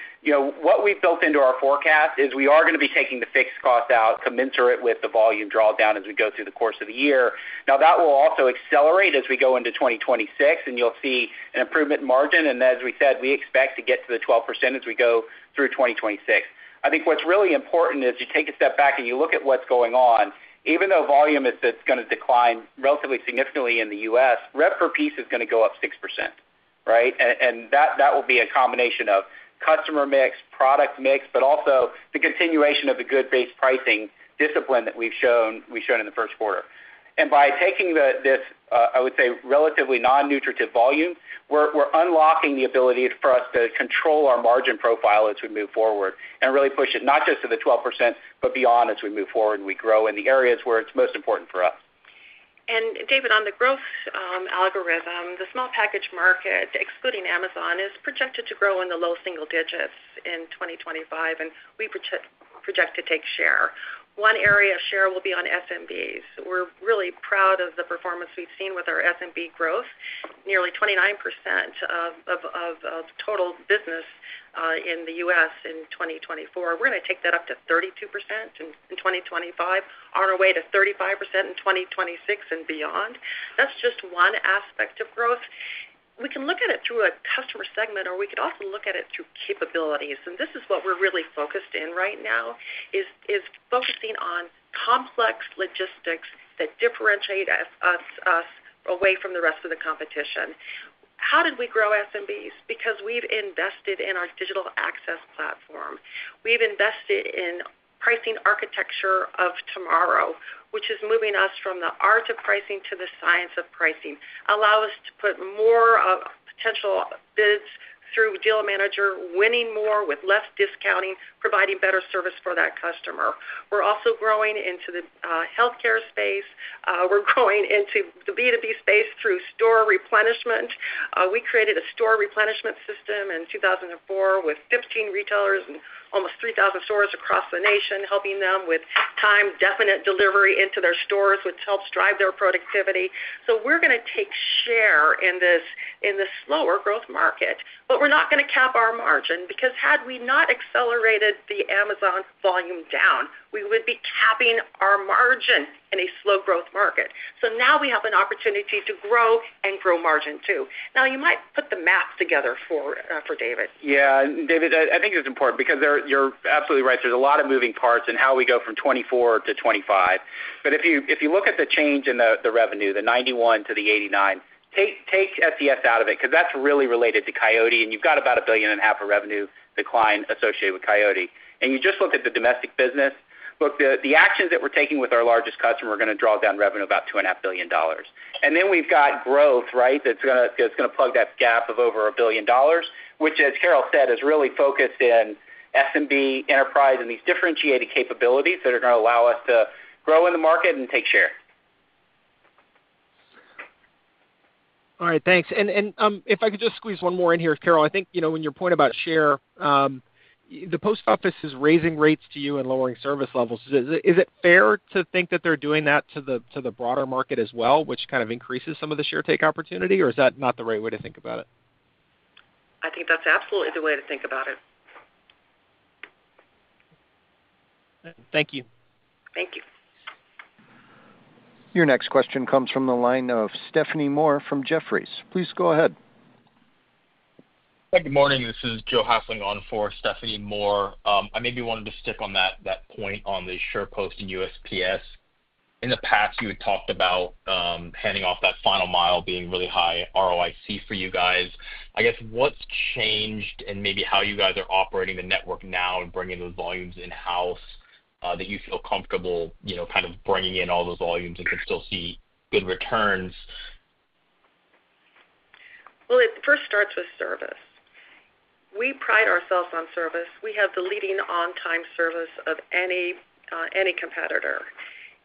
what we've built into our forecast is we are going to be taking the fixed cost out, commensurate with the volume drawdown as we go through the course of the year. Now, that will also accelerate as we go into 2026, and you'll see an improvement in margin, and as we said, we expect to get to the 12% as we go through 2026. I think what's really important is you take a step back and you look at what's going on. Even though volume is going to decline relatively significantly in the U.S., rev per piece is going to go up 6%, right, and that will be a combination of customer mix, product mix, but also the continuation of the good base pricing discipline that we've shown in the first quarter, and by taking this, I would say, relatively non-nutritive volume, we're unlocking the ability for us to control our margin profile as we move forward and really push it not just to the 12%, but beyond as we move forward and we grow in the areas where it's most important for us. David, on the growth algorithm, the small package market, excluding Amazon, is projected to grow in the low single digits in 2025, and we project to take share. One area of share will be on SMBs. We're really proud of the performance we've seen with our SMB growth, nearly 29% of total business in the U.S. in 2024. We're going to take that up to 32% in 2025, on our way to 35% in 2026 and beyond. That's just one aspect of growth. We can look at it through a customer segment, or we could also look at it through capabilities. And this is what we're really focused in right now, is focusing on complex logistics that differentiate us away from the rest of the competition. How did we grow SMBs? Because we've invested in our digital access platform. We've invested in pricing Architecture of Tomorrow, which is moving us from the art of pricing to the science of pricing. Allow us to put more potential bids through Deal Manager, winning more with less discounting, providing better service for that customer. We're also growing into the healthcare space. We're growing into the B2B space through store replenishment. We created a store replenishment system in 2004 with 15 retailers and almost 3,000 stores across the nation, helping them with time-definite delivery into their stores, which helps drive their productivity. So we're going to take share in this slower growth market, but we're not going to cap our margin because had we not accelerated the Amazon volume down, we would be capping our margin in a slow growth market. So now we have an opportunity to grow and grow margin too. Now, you might put the math together for David. Yeah, and David, I think it's important because you're absolutely right. There's a lot of moving parts in how we go from 2024 to 2025. But if you look at the change in the revenue, the $10.91 to the $10.89, take SCS out of it because that's really related to Coyote, and you've got about $1.5 billion of revenue decline associated with Coyote. And you just looked at the domestic business. Look, the actions that we're taking with our largest customer are going to draw down revenue about $2.5 billion. And then we've got growth, right, that's going to plug that gap of over $1 billion, which, as Carol said, is really focused in SMB enterprise and these differentiated capabilities that are going to allow us to grow in the market and take share. All right. Thanks. And if I could just squeeze one more in here, Carol, I think when you're pointing about share, the post office is raising rates to you and lowering service levels. Is it fair to think that they're doing that to the broader market as well, which kind of increases some of the share take opportunity, or is that not the right way to think about it? I think that's absolutely the way to think about it. Thank you. Thank you. Your next question comes from the line of Stephanie Moore from Jefferies. Please go ahead. Good morning. This is Joe Hafling on for Stephanie Moore. I maybe wanted to stick on that point on the SurePost and USPS. In the past, you had talked about handing off that final mile, being really high ROIC for you guys. I guess what's changed and maybe how you guys are operating the network now and bringing those volumes in-house that you feel comfortable kind of bringing in all those volumes and can still see good returns? Well, it first starts with service. We pride ourselves on service. We have the leading on-time service of any competitor.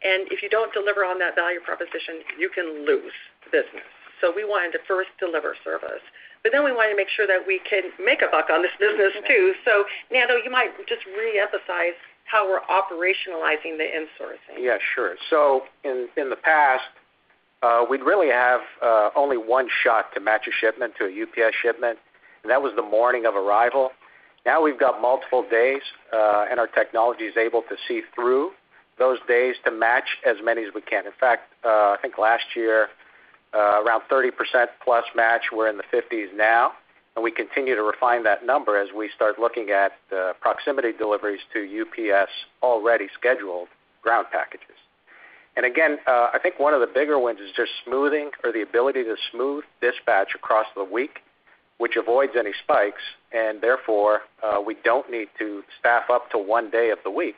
And if you don't deliver on that value proposition, you can lose the business. So we wanted to first deliver service. But then we wanted to make sure that we can make a buck on this business too. So Nando, you might just reemphasize how we're operationalizing the insourcing. Yeah, sure. So in the past, we'd really have only one shot to match a shipment to a UPS shipment, and that was the morning of arrival. Now we've got multiple days, and our technology is able to see through those days to match as many as we can. In fact, I think last year, around 30% plus match, we're in the 50s now. And we continue to refine that number as we start looking at proximity deliveries to UPS already scheduled ground packages. And again, I think one of the bigger ones is just smoothing or the ability to smooth dispatch across the week, which avoids any spikes. And therefore, we don't need to staff up to one day of the week.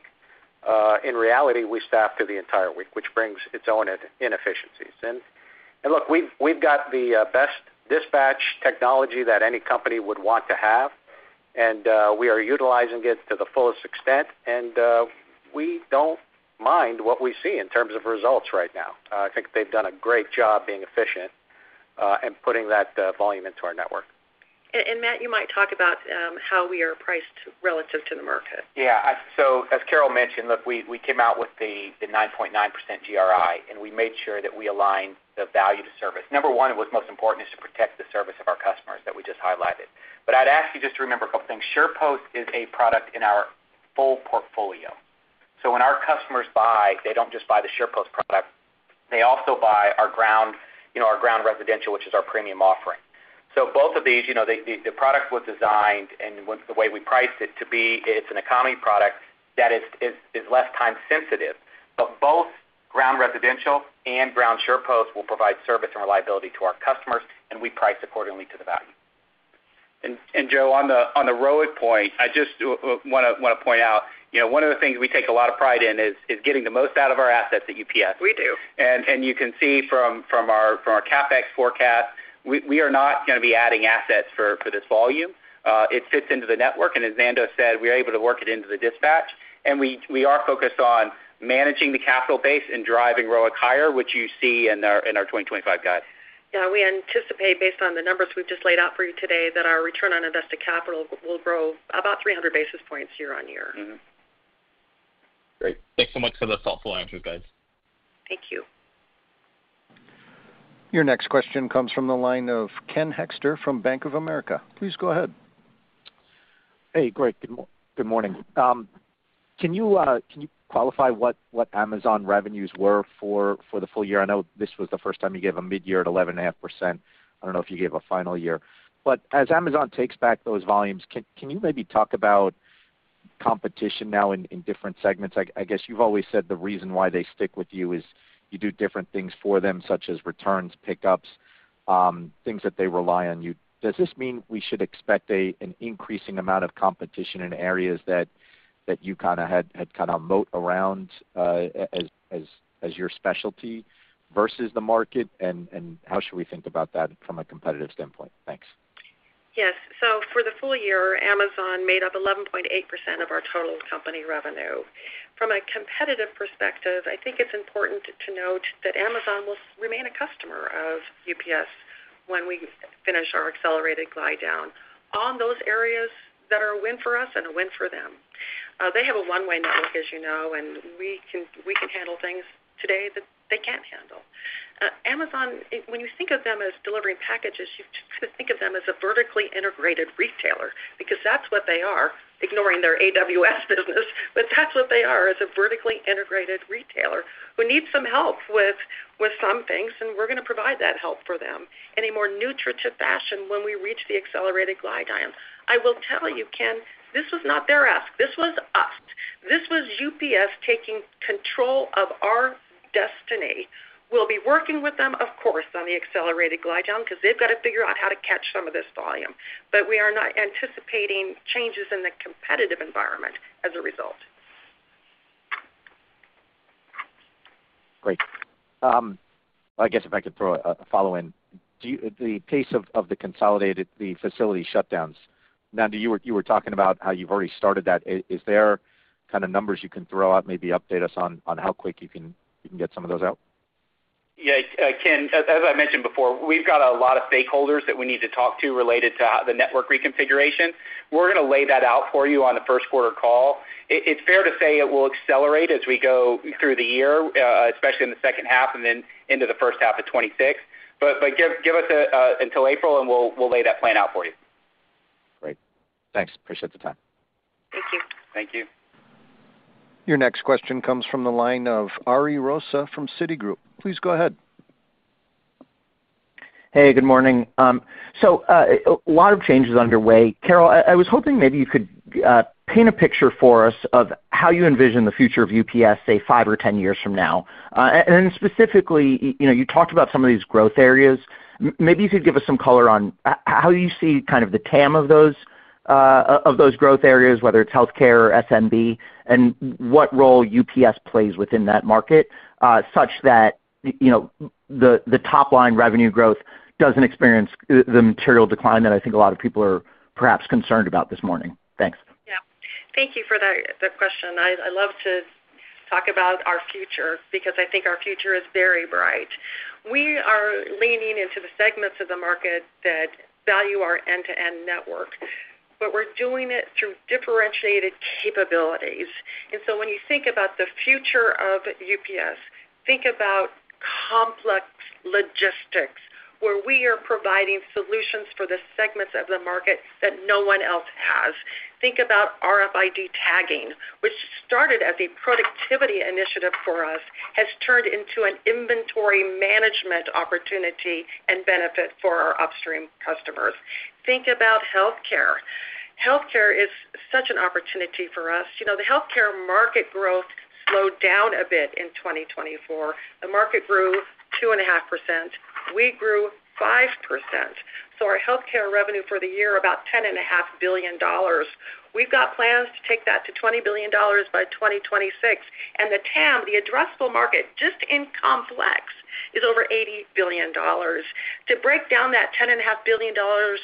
In reality, we staff to the entire week, which brings its own inefficiencies. And look, we've got the best dispatch technology that any company would want to have, and we are utilizing it to the fullest extent. And we don't mind what we see in terms of results right now. I think they've done a great job being efficient and putting that volume into our network. And Matt, you might talk about how we are priced relative to the market. Yeah. So as Carol mentioned, look, we came out with the 9.9% GRI, and we made sure that we aligned the value to service. Number one, it was most important is to protect the service of our customers that we just highlighted. But I'd ask you just to remember a couple of things. SurePost is a product in our full portfolio. So when our customers buy, they don't just buy the SurePost product. They also buy our Ground Residential, which is our premium offering. So both of these, the product was designed and the way we priced it to be, it's an economy product that is less time sensitive. But both Ground Residential and Ground SurePost will provide service and reliability to our customers, and we price accordingly to the value. And Joe, on the ROIC point, I just want to point out one of the things we take a lot of pride in is getting the most out of our assets at UPS. We do. And you can see from our CapEx forecast, we are not going to be adding assets for this volume. It fits into the network. And as Nando said, we are able to work it into the dispatch. And we are focused on managing the capital base and driving ROIC higher, which you see in our 2025 guide. Yeah. We anticipate, based on the numbers we've just laid out for you today, that our return on invested capital will grow about 300 basis points year on year. Great. Thanks so much for the thoughtful answers, guys. Thank you. Your next question comes from the line of Ken Hoexter from Bank of America. Please go ahead. Hey, Greg. Good morning. Can you qualify what Amazon revenues were for the full year? I know this was the first time you gave a mid-year at 11.5%. I don't know if you gave a final year. But as Amazon takes back those volumes, can you maybe talk about competition now in different segments? I guess you've always said the reason why they stick with you is you do different things for them, such as returns, pickups, things that they rely on you. Does this mean we should expect an increasing amount of competition in areas that you kind of had kind of moat around as your specialty versus the market? And how should we think about that from a competitive standpoint? Thanks. Yes. So for the full year, Amazon made up 11.8% of our total company revenue. From a competitive perspective, I think it's important to note that Amazon will remain a customer of UPS when we finish our accelerated glide down on those areas that are a win for us and a win for them. They have a one-way network, as you know, and we can handle things today that they can't handle. Amazon, when you think of them as delivering packages, you kind of think of them as a vertically integrated retailer because that's what they are, ignoring their AWS business. But that's what they are as a vertically integrated retailer who needs some help with some things, and we're going to provide that help for them in a more nutritive fashion when we reach the accelerated glide down. I will tell you, Ken, this was not their ask. This was us. This was UPS taking control of our destiny. We'll be working with them, of course, on the accelerated glide down because they've got to figure out how to catch some of this volume. But we are not anticipating changes in the competitive environment as a result. Great. I guess if I could throw a follow-up in the case of the consolidated facility shutdowns. Nando, you were talking about how you've already started that. Is there kind of numbers you can throw out, maybe update us on how quick you can get some of those out? Yeah. Ken, as I mentioned before, we've got a lot of stakeholders that we need to talk to related to the network reconfiguration. We're going to lay that out for you on the first quarter call. It's fair to say it will accelerate as we go through the year, especially in the second half and then into the first half of 2026. But give us until April, and we'll lay that plan out for you. Great. Thanks. Appreciate the time. Thank you. Thank you. Your next question comes from the line of Ari Rosa from Citigroup. Please go ahead. Hey, good morning. So a lot of changes underway. Carol, I was hoping maybe you could paint a picture for us of how you envision the future of UPS, say, five or 10 years from now. And then specifically, you talked about some of these growth areas. Maybe you could give us some color on how you see kind of the TAM of those growth areas, whether it's healthcare or SMB, and what role UPS plays within that market such that the top-line revenue growth doesn't experience the material decline that I think a lot of people are perhaps concerned about this morning. Thanks. Yeah. Thank you for the question. I love to talk about our future because I think our future is very bright. We are leaning into the segments of the market that value our end-to-end network, but we're doing it through differentiated capabilities. And so when you think about the future of UPS, think about complex logistics where we are providing solutions for the segments of the market that no one else has. Think about RFID tagging, which started as a productivity initiative for us, has turned into an inventory management opportunity and benefit for our upstream customers. Think about healthcare. Healthcare is such an opportunity for us. The healthcare market growth slowed down a bit in 2024. The market grew 2.5%. We grew 5%. So our healthcare revenue for the year, about $10.5 billion. We've got plans to take that to $20 billion by 2026. And the TAM, the addressable market, just in complex, is over $80 billion. To break down that $10.5 billion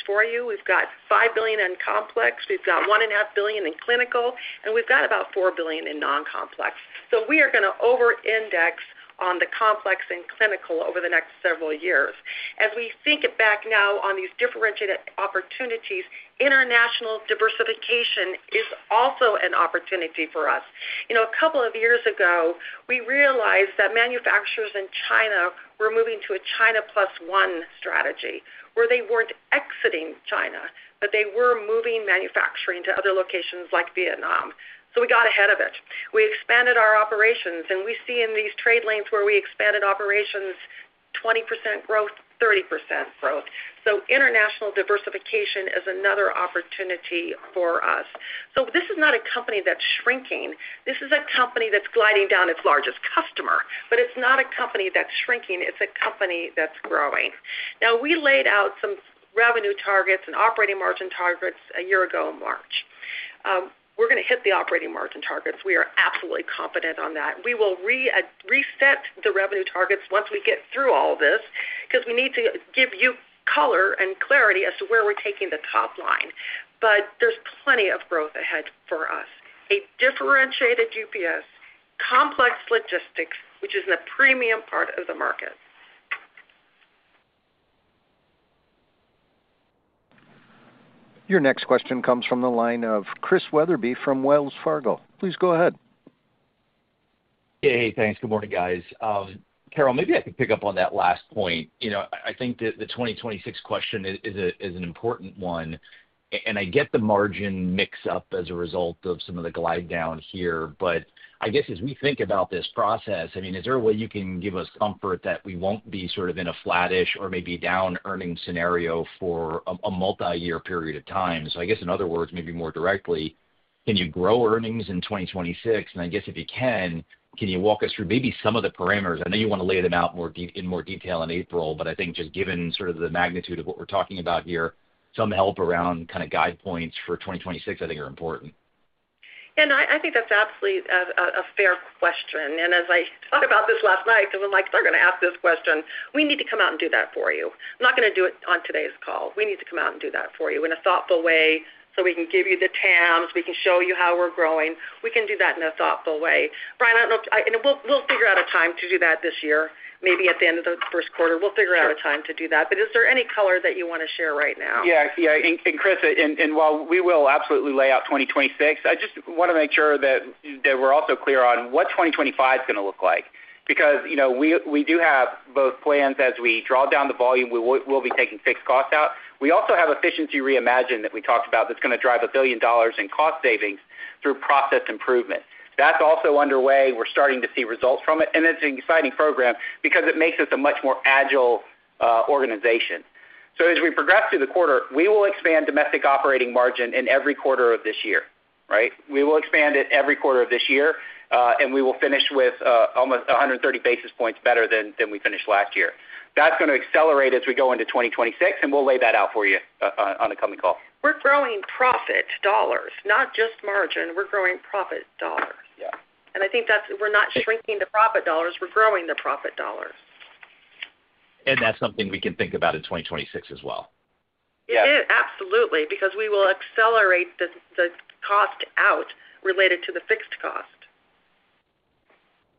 for you, we've got $5 billion in complex. We've got $1.5 billion in clinical, and we've got about $4 billion in non-complex. So we are going to over-index on the complex and clinical over the next several years. As we think back now on these differentiated opportunities, international diversification is also an opportunity for us. A couple of years ago, we realized that manufacturers in China were moving to a China Plus One strategy, where they weren't exiting China, but they were moving manufacturing to other locations like Vietnam. So we got ahead of it. We expanded our operations, and we see in these trade lanes where we expanded operations, 20% growth, 30% growth. So international diversification is another opportunity for us. So this is not a company that's shrinking. This is a company that's gliding down its largest customer. But it's not a company that's shrinking. It's a company that's growing. Now, we laid out some revenue targets and operating margin targets a year ago in March. We're going to hit the operating margin targets. We are absolutely confident on that. We will reset the revenue targets once we get through all this because we need to give you color and clarity as to where we're taking the top line. But there's plenty of growth ahead for us. A differentiated UPS, complex logistics, which is in the premium part of the market. Your next question comes from the line of Chris Wetherbee from Wells Fargo. Please go ahead. Hey, thanks. Good morning, guys. Carol, maybe I could pick up on that last point. I think the 2026 question is an important one. And I get the margin mix-up as a result of some of the glide down here. But I guess as we think about this process, I mean, is there a way you can give us comfort that we won't be sort of in a flattish or maybe down-earning scenario for a multi-year period of time? So I guess in other words, maybe more directly, can you grow earnings in 2026? And I guess if you can, can you walk us through maybe some of the parameters? I know you want to lay them out in more detail in April, but I think just given sort of the magnitude of what we're talking about here, some help around kind of guide points for 2026, I think, are important? And I think that's absolutely a fair question. And as I thought about this last night, because I'm like, "They're going to ask this question," we need to come out and do that for you. I'm not going to do it on today's call. We need to come out and do that for you in a thoughtful way so we can give you the TAMs. We can show you how we're growing. We can do that in a thoughtful way. Brian, I don't know. And we'll figure out a time to do that this year, maybe at the end of the first quarter. We'll figure out a time to do that. But is there any color that you want to share right now? Yeah. Yeah. And Chris, while we will absolutely lay out 2026, I just want to make sure that we're also clear on what 2025 is going to look like because we do have both plans. As we draw down the volume, we'll be taking fixed costs out. We also have Efficiency Reimagined that we talked about that's going to drive $1 billion in cost savings through process improvement. That's also underway. We're starting to see results from it. And it's an exciting program because it makes us a much more agile organization. So as we progress through the quarter, we will expand domestic operating margin in every quarter of this year, right? We will expand it every quarter of this year, and we will finish with almost 130 basis points better than we finished last year. That's going to accelerate as we go into 2026, and we'll lay that out for you on the coming call. We're growing profit dollars, not just margin. We're growing profit dollars. And I think we're not shrinking the profit dollars. We're growing the profit dollars. And that's something we can think about in 2026 as well. Yeah. Absolutely. Because we will accelerate the cost out related to the fixed cost.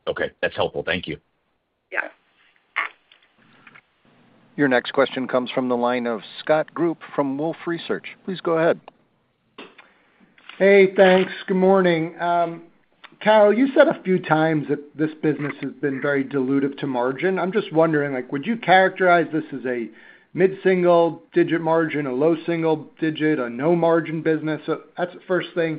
Okay. That's helpful. Thank you. Yeah. Your next question comes from the line of Scott Group from Wolfe Research. Please go ahead. Hey, thanks. Good morning. Carol, you said a few times that this business has been very dilutive to margin. I'm just wondering, would you characterize this as a mid-single-digit margin, a low-single-digit, a no-margin business? That's the first thing.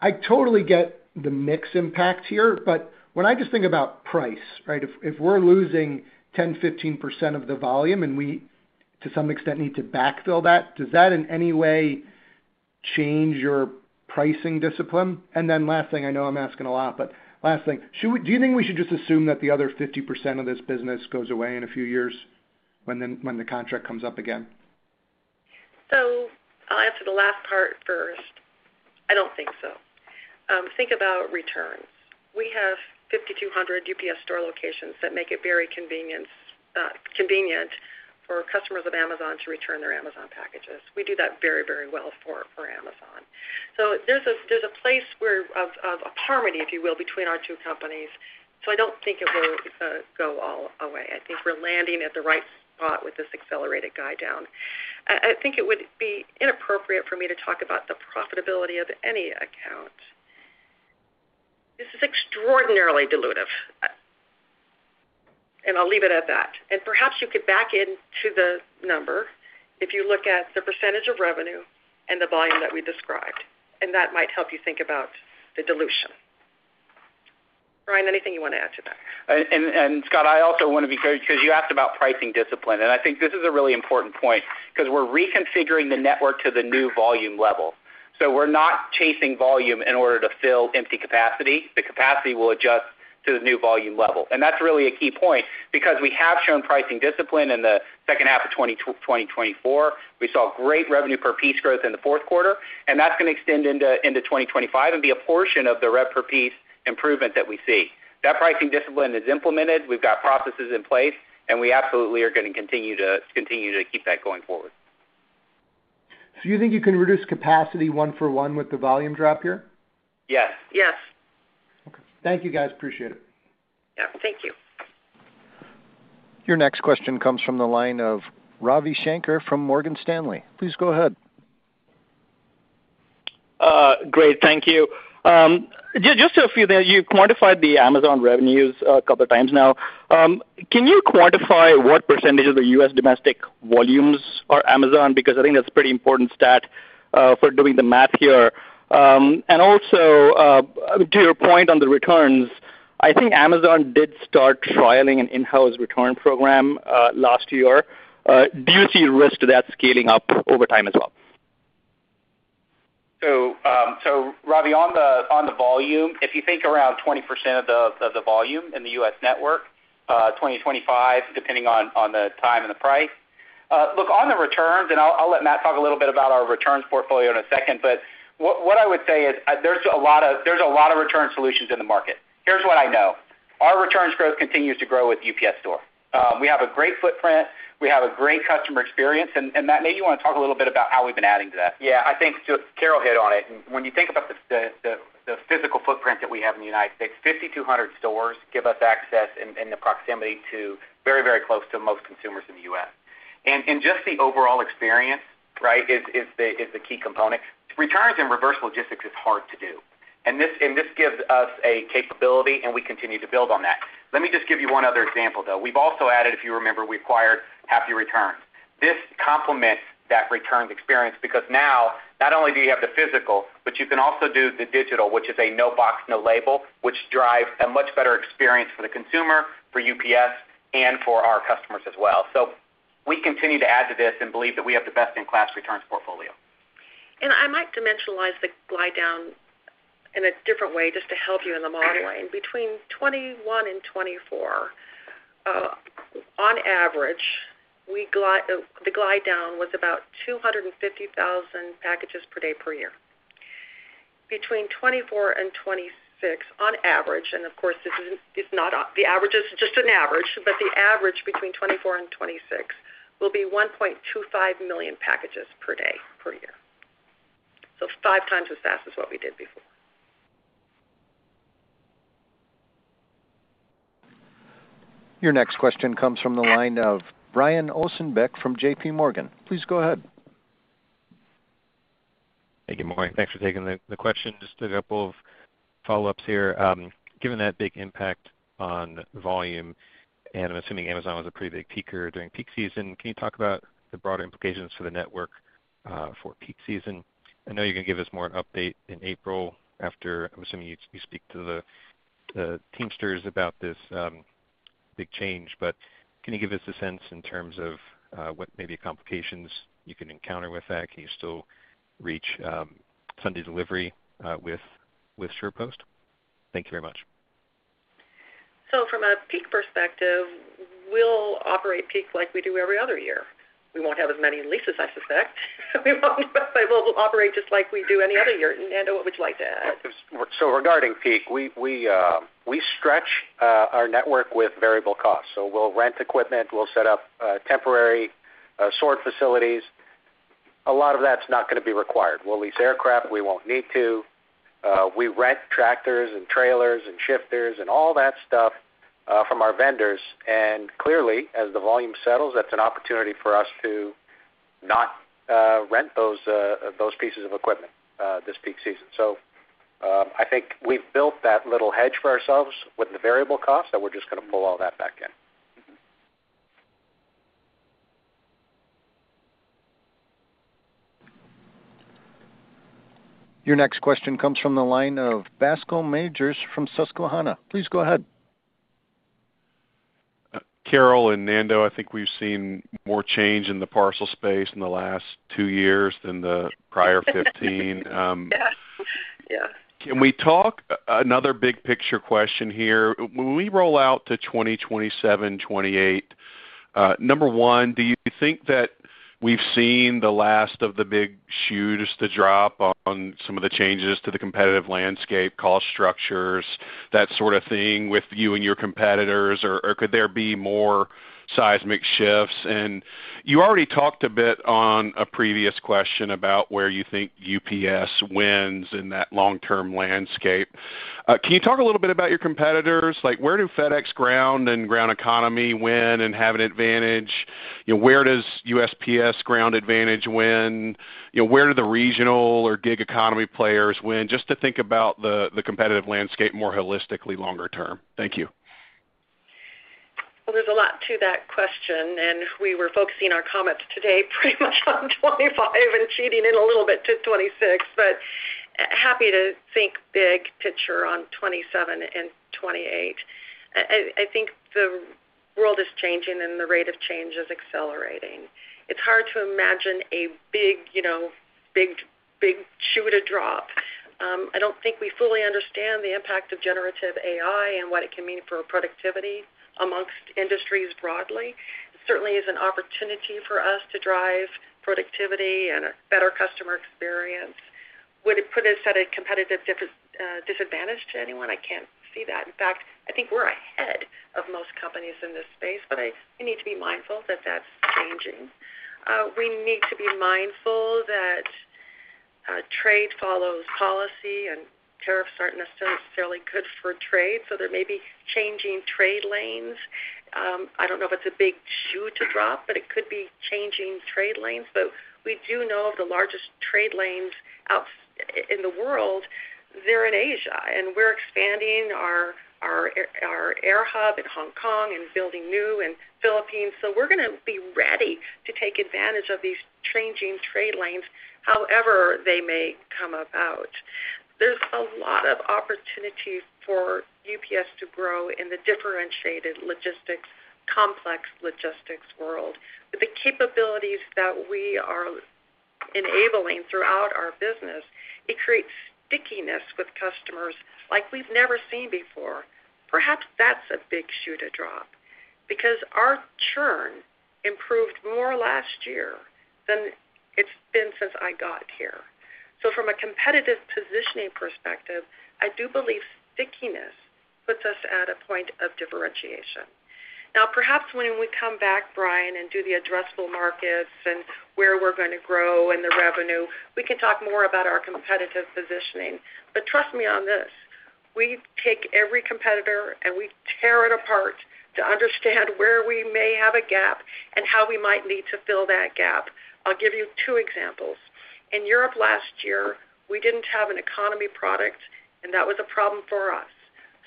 I totally get the mix impact here, but when I just think about price, right, if we're losing 10%-15% of the volume and we, to some extent, need to backfill that, does that in any way change your pricing discipline? And then last thing, I know I'm asking a lot, but last thing, do you think we should just assume that the other 50% of this business goes away in a few years when the contract comes up again? So I'll answer the last part first. I don't think so. Think about returns. We have 5,200 UPS store locations that make it very convenient for customers of Amazon to return their Amazon packages. We do that very, very well for Amazon. So there's a place of harmony, if you will, between our two companies. So I don't think it will go all away. I think we're landing at the right spot with this accelerated glide down. I think it would be inappropriate for me to talk about the profitability of any account. This is extraordinarily dilutive. And I'll leave it at that. And perhaps you could back into the number if you look at the percentage of revenue and the volume that we described. And that might help you think about the dilution. Brian, anything you want to add to that? And Scott, I also want to be clear because you asked about pricing discipline. And I think this is a really important point because we're reconfiguring the network to the new volume level. So we're not chasing volume in order to fill empty capacity. The capacity will adjust to the new volume level, and that's really a key point because we have shown pricing discipline in the second half of 2024. We saw great revenue per piece growth in the fourth quarter, and that's going to extend into 2025 and be a portion of the rep per piece improvement that we see. That pricing discipline is implemented. We've got processes in place, and we absolutely are going to continue to keep that going forward. So you think you can reduce capacity one for one with the volume drop here? Yes. Yes. Okay. Thank you, guys. Appreciate it. Yeah. Thank you. Your next question comes from the line of Ravi Shankar from Morgan Stanley. Please go ahead. Great. Thank you. Just a few things. You've quantified the Amazon revenues a couple of times now. Can you quantify what percentage of the U.S. domestic volumes are Amazon? Because I think that's a pretty important stat for doing the math here. And also, to your point on the returns, I think Amazon did start trialing an in-house return program last year. Do you see risk to that scaling up over time as well? So Ravi, on the volume, if you think around 20% of the volume in the U.S. network, 2025, depending on the time and the price. Look, on the returns, and I'll let Matt talk a little bit about our returns portfolio in a second, but what I would say is there's a lot of return solutions in the market. Here's what I know. Our returns growth continues to grow with UPS Store. We have a great footprint. We have a great customer experience. And Matt, maybe you want to talk a little bit about how we've been adding to that. Yeah. I think just Carol hit on it. When you think about the physical footprint that we have in the United States, 5,200 stores give us access and the proximity to very, very close to most consumers in the US. And just the overall experience, right, is the key component. Returns and reverse logistics is hard to do. And this gives us a capability, and we continue to build on that. Let me just give you one other example, though. We've also added, if you remember, we acquired Happy Returns. This complements that returns experience because now, not only do you have the physical, but you can also do the digital, which is a no box, no label, which drives a much better experience for the consumer, for UPS, and for our customers as well. So we continue to add to this and believe that we have the best-in-class returns portfolio. And I might dimensionalize the glide down in a different way just to help you in the modeling. Between 2021 and 2024, on average, the glide down was about 250,000 packages per day per year. Between 2024 and 2026, on average, and of course, this is not the average. This is just an average, but the average between 2024 and 2026 will be 1.25 million packages per day per year. So five times as fast as what we did before. Your next question comes from the line of Brian Ossenbeck from JP Morgan. Please go ahead. Hey, good morning. Thanks for taking the question. Just a couple of follow-ups here. Given that big impact on volume, and I'm assuming Amazon was a pretty big peaker during peak season, can you talk about the broader implications for the network for peak season? I know you're going to give us more an update in April after, I'm assuming you speak to the Teamsters about this big change, but can you give us a sense in terms of what may be complications you can encounter with that? Can you still reach Sunday delivery with SurePost? Thank you very much. So from a peak perspective, we'll operate peak like we do every other year. We won't have as many leases, I suspect. We will operate just like we do any other year. Nando, what would you like to add? So regarding peak, we stretch our network with variable costs. So we'll rent equipment. We'll set up temporary storage facilities. A lot of that's not going to be required. We'll lease aircraft. We won't need to. We rent tractors and trailers and lifters and all that stuff from our vendors. And clearly, as the volume settles, that's an opportunity for us to not rent those pieces of equipment this peak season. So I think we've built that little hedge for ourselves with the variable costs that we're just going to pull all that back in. Your next question comes from the line of Bascome Majors from Susquehanna. Please go ahead. Carol and Nando, I think we've seen more change in the parcel space in the last two years than the prior 15. Can we talk? Another big picture question here. When we roll out to 2027, 2028, number one, do you think that we've seen the last of the big shoes to drop on some of the changes to the competitive landscape, cost structures, that sort of thing with you and your competitors, or could there be more seismic shifts? You already talked a bit on a previous question about where you think UPS wins in that long-term landscape. Can you talk a little bit about your competitors? Where do FedEx Ground and Ground Economy win and have an advantage? Where does USPS Ground Advantage win? Where do the regional or gig economy players win? Just to think about the competitive landscape more holistically, longer term. Thank you. Well, there's a lot to that question. We were focusing our comments today pretty much on 2025 and chiming in a little bit to 2026, but happy to think big picture on 2027 and 2028. I think the world is changing, and the rate of change is accelerating. It's hard to imagine a big shoe to drop. I don't think we fully understand the impact of generative AI and what it can mean for productivity amongst industries broadly. It certainly is an opportunity for us to drive productivity and a better customer experience. Would it put us at a competitive disadvantage to anyone? I can't see that. In fact, I think we're ahead of most companies in this space, but we need to be mindful that that's changing. We need to be mindful that trade follows policy, and tariffs aren't necessarily good for trade. So there may be changing trade lanes. I don't know if it's a big shoe to drop, but it could be changing trade lanes. But we do know of the largest trade lanes in the world. They're in Asia, and we're expanding our air hub in Hong Kong and building new in the Philippines. So we're going to be ready to take advantage of these changing trade lanes, however they may come about. There's a lot of opportunity for UPS to grow in the differentiated logistics, complex logistics world. The capabilities that we are enabling throughout our business, it creates stickiness with customers like we've never seen before. Perhaps that's a big shoe to drop because our churn improved more last year than it's been since I got here. So from a competitive positioning perspective, I do believe stickiness puts us at a point of differentiation. Now, perhaps when we come back, Brian, and do the addressable markets and where we're going to grow and the revenue, we can talk more about our competitive positioning. But trust me on this. We take every competitor, and we tear it apart to understand where we may have a gap and how we might need to fill that gap. I'll give you two examples. In Europe last year, we didn't have an economy product, and that was a problem for us.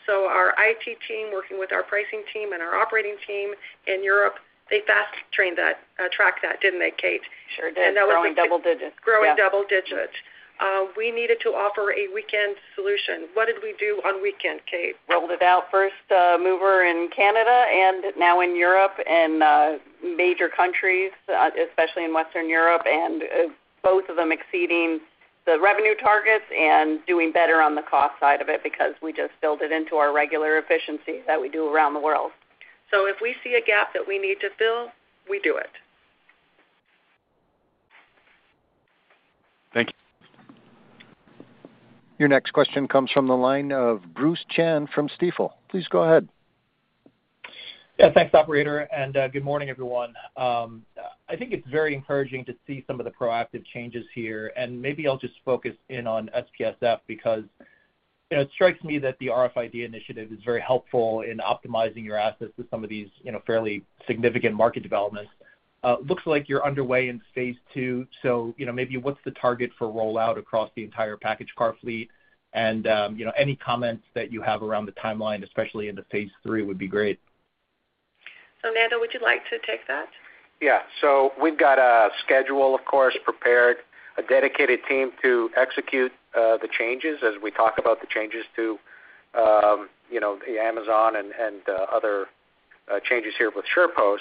So our IT team working with our pricing team and our operating team in Europe, they fast-tracked that, didn't they, Kate? Sure did. Growing double digits. Growing double digits. We needed to offer a weekend solution. What did we do on weekend, Kate? Rolled it out first mover in Canada and now in Europe and major countries, especially in Western Europe, and both of them exceeding the revenue targets and doing better on the cost side of it because we just filled it into our regular efficiency that we do around the world. So if we see a gap that we need to fill, we do it. Thank you. Your next question comes from the line of Bruce Chan from Stifel. Please go ahead. Yeah. Thanks, operator. And good morning, everyone. I think it's very encouraging to see some of the proactive changes here. And maybe I'll just focus in on SPSF because it strikes me that the RFID initiative is very helpful in optimizing your assets to some of these fairly significant market developments. Looks like you're underway in phase two. So maybe what's the target for rollout across the entire package car fleet? And any comments that you have around the timeline, especially in the phase three, would be great. So Nando, would you like to take that? Yeah. So we've got a schedule, of course, prepared, a dedicated team to execute the changes as we talk about the changes to Amazon and other changes here with SurePost.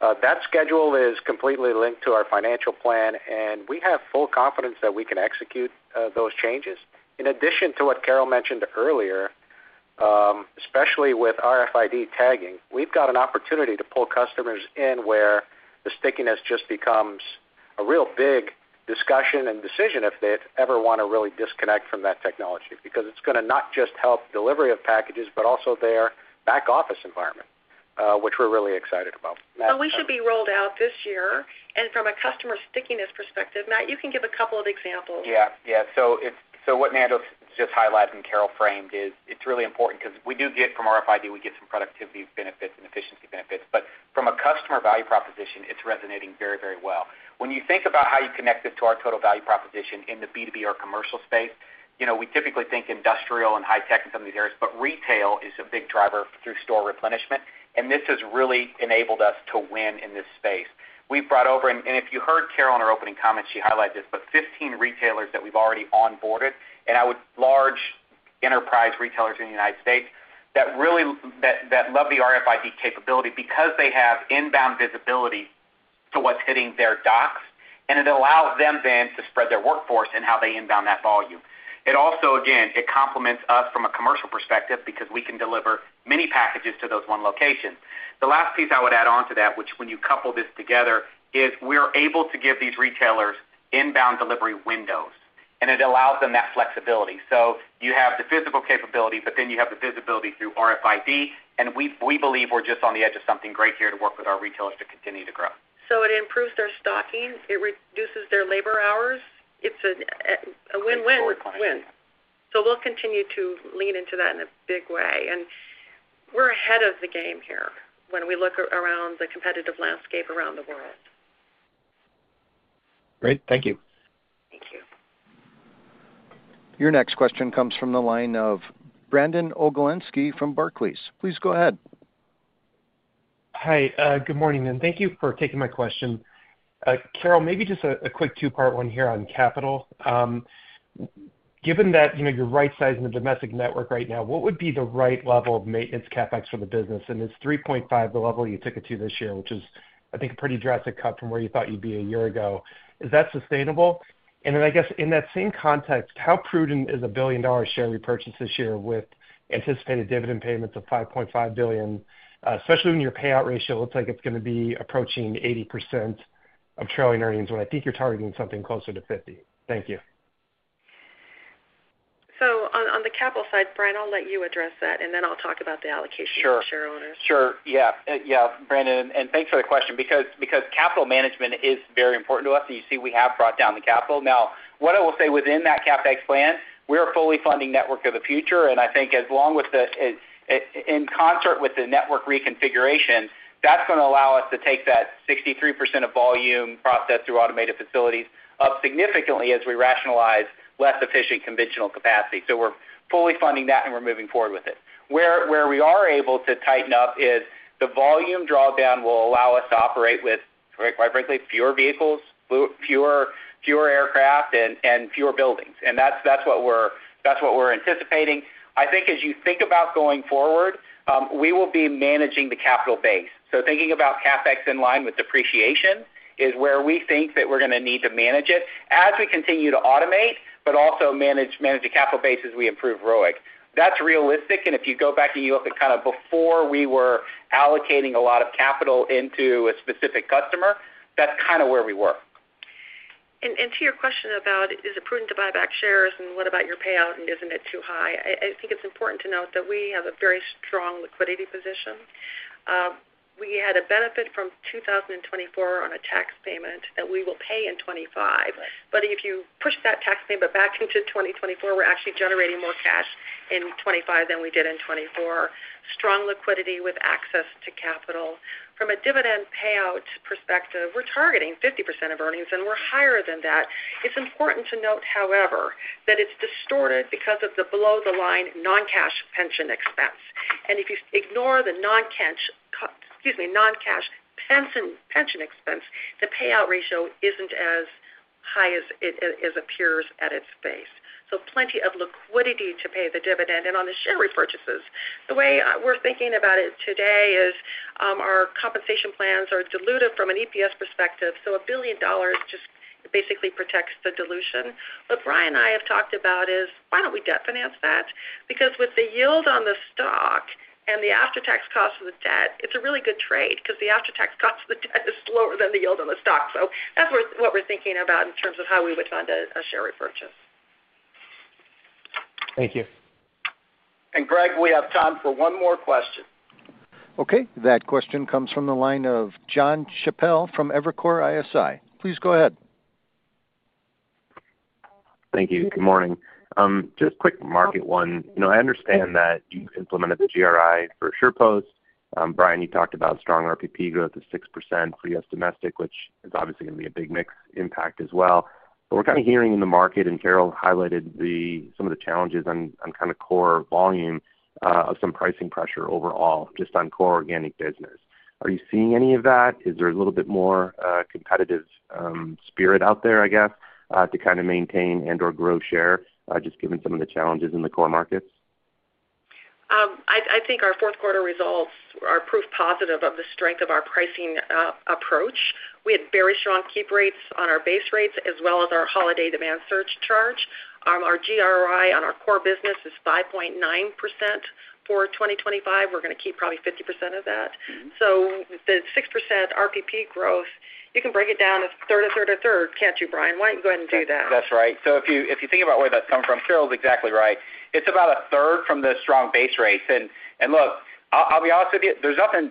That schedule is completely linked to our financial plan, and we have full confidence that we can execute those changes. In addition to what Carol mentioned earlier, especially with RFID tagging, we've got an opportunity to pull customers in where the stickiness just becomes a real big discussion and decision if they ever want to really disconnect from that technology because it's going to not just help delivery of packages, but also their back office environment, which we're really excited about. But we should be rolled out this year. And from a customer stickiness perspective, Matt, you can give a couple of examples. Yeah. Yeah. So what Nando just highlighted and Carol framed is it's really important because we do get from RFID, we get some productivity benefits and efficiency benefits. But from a customer value proposition, it's resonating very, very well. When you think about how you connect this to our total value proposition in the B2B or commercial space, we typically think industrial and high tech in some of these areas, but retail is a big driver through store replenishment. And this has really enabled us to win in this space. We've brought over, and if you heard Carol in her opening comments, she highlighted this, but 15 retailers that we've already onboarded, and I would say large enterprise retailers in the United States that love the RFID capability because they have inbound visibility to what's hitting their docks, and it allows them then to spread their workforce in how they inbound that volume. It also, again, complements us from a commercial perspective because we can deliver many packages to those one locations. The last piece I would add on to that, which when you couple this together, is we're able to give these retailers inbound delivery windows, and it allows them that flexibility. So you have the physical capability, but then you have the visibility through RFID, and we believe we're just on the edge of something great here to work with our retailers to continue to grow. So it improves their stocking. It reduces their labor hours. It's a win-win. It's a full lift. So we'll continue to lean into that in a big way. And we're ahead of the game here when we look around the competitive landscape around the world. Great. Thank you. Thank you. Your next question comes from the line of Brandon Oglenski from Barclays. Please go ahead. Hi. Good morning. And thank you for taking my question. Carol, maybe just a quick two-part one here on capital. Given that you're right-sizing the domestic network right now, what would be the right level of maintenance CapEx for the business? And it's 3.5, the level you took it to this year, which is, I think, a pretty drastic cut from where you thought you'd be a year ago. Is that sustainable? Then I guess in that same context, how prudent is a $1 billion share repurchase this year with anticipated dividend payments of $5.5 billion, especially when your payout ratio looks like it's going to be approaching 80% of trailing earnings when I think you're targeting something closer to 50%? Thank you. So on the capital side, Brian, I'll let you address that, and then I'll talk about the allocation for share owners. Sure. Sure. Yeah. Yeah. Brandon, and thanks for the question because capital management is very important to us, and you see we have brought down the capital. Now, what I will say within that CapEx plan, we're fully funding network of the future, and I think as long as in concert with the network reconfiguration, that's going to allow us to take that 63% of volume processed through automated facilities up significantly as we rationalize less efficient conventional capacity. So we're fully funding that, and we're moving forward with it. Where we are able to tighten up is the volume drawdown will allow us to operate with, quite frankly, fewer vehicles, fewer aircraft, and fewer buildings. And that's what we're anticipating. I think as you think about going forward, we will be managing the capital base. So thinking about CapEx in line with depreciation is where we think that we're going to need to manage it as we continue to automate, but also manage the capital base as we improve ROIC. That's realistic. If you go back and you look at kind of before we were allocating a lot of capital into a specific customer, that's kind of where we were. To your question about, is it prudent to buy back shares and what about your payout and isn't it too high? I think it's important to note that we have a very strong liquidity position. We had a benefit from 2024 on a tax payment that we will pay in 2025. But if you push that tax payment back into 2024, we're actually generating more cash in 2025 than we did in 2024. Strong liquidity with access to capital. From a dividend payout perspective, we're targeting 50% of earnings, and we're higher than that. It's important to note, however, that it's distorted because of the below-the-line non-cash pension expense. And if you ignore the non-cash pension expense, the payout ratio isn't as high as it appears at its base. So plenty of liquidity to pay the dividend. And on the share repurchases, the way we're thinking about it today is our compensation plans are diluted from an EPS perspective. So $1 billion just basically protects the dilution. What Brian and I have talked about is, why don't we debt finance that? Because with the yield on the stock and the after-tax cost of the debt, it's a really good trade because the after-tax cost of the debt is slower than the yield on the stock. So that's what we're thinking about in terms of how we would fund a share repurchase. Thank you. And Greg, we have time for one more question. Okay. That question comes from the line of John Chappell from Evercore ISI. Please go ahead. Thank you. Good morning. Just a quick market one. I understand that you've implemented the GRI for SurePost. Brian, you talked about strong RPP growth of 6% for US domestic, which is obviously going to be a big mix impact as well. But we're kind of hearing in the market, and Carol highlighted some of the challenges on kind of core volume of some pricing pressure overall just on core organic business. Are you seeing any of that? Is there a little bit more competitive spirit out there, I guess, to kind of maintain and/or grow share just given some of the challenges in the core markets? I think our fourth quarter results are proof positive of the strength of our pricing approach. We had very strong keep rates on our base rates as well as our holiday demand surge charge. Our GRI on our core business is 5.9% for 2025. We're going to keep probably 50% of that, so the 6% RPP growth, you can break it down to third or third or third, can't you, Brian? Why don't you go ahead and do that? That's right, so if you think about where that's come from, Carol's exactly right. It's about a third from the strong base rates, and look, I'll be honest with you, there's nothing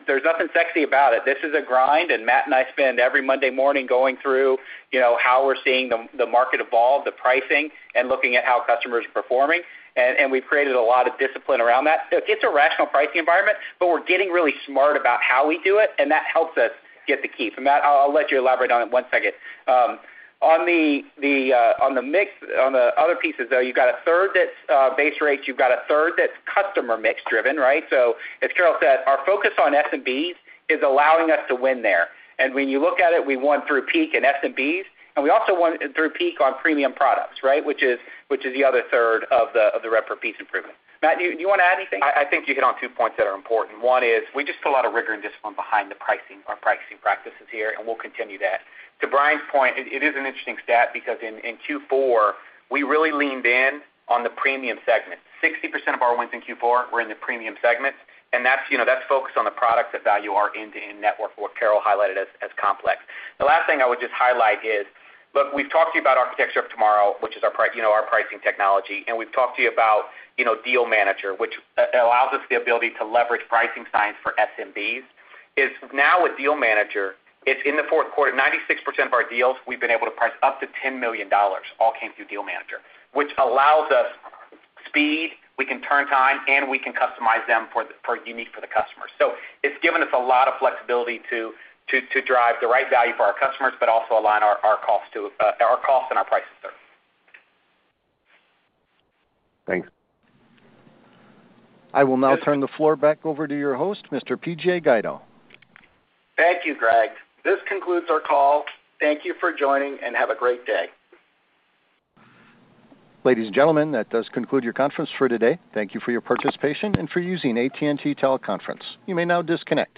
sexy about it. This is a grind, and Matt and I spend every Monday morning going through how we're seeing the market evolve, the pricing, and looking at how customers are performing, and we've created a lot of discipline around that. It's a rational pricing environment, but we're getting really smart about how we do it, and that helps us get the keep, and Matt, I'll let you elaborate on it one second. On the mix, on the other pieces, though, you've got a third that's base rates. You've got a third that's customer mix driven, right? So as Carol said, our focus on SMBs is allowing us to win there. And when you look at it, we won through peak in SMBs, and we also won through peak on premium products, right, which is the other third of the revenue per piece improvement. Matt, do you want to add anything? I think you hit on two points that are important. One is we just put a lot of rigor and discipline behind the pricing, our pricing practices here, and we'll continue that. To Brian's point, it is an interesting stat because in Q4, we really leaned in on the premium segment. 60% of our wins in Q4 were in the premium segments, and that's focused on the products that value our end-to-end network, what Carol highlighted as complex. The last thing I would just highlight is, look, we've talked to you about Architecture of Tomorrow, which is our pricing technology, and we've talked to you about Deal Manager, which allows us the ability to leverage pricing science for SMBs. Now with Deal Manager, it's in the fourth quarter, 96% of our deals we've been able to price up to $10 million all came through Deal Manager, which allows us speed, we can turn time, and we can customize them uniquely for the customers. So it's given us a lot of flexibility to drive the right value for our customers, but also align our costs and our prices there. Thanks. I will now turn the floor back over to your host, Mr. PJ Guido. Thank you, Greg. This concludes our call. Thank you for joining, and have a great day. Ladies and gentlemen, that does conclude your conference for today. Thank you for your participation and for using AT&T Teleconference. You may now disconnect.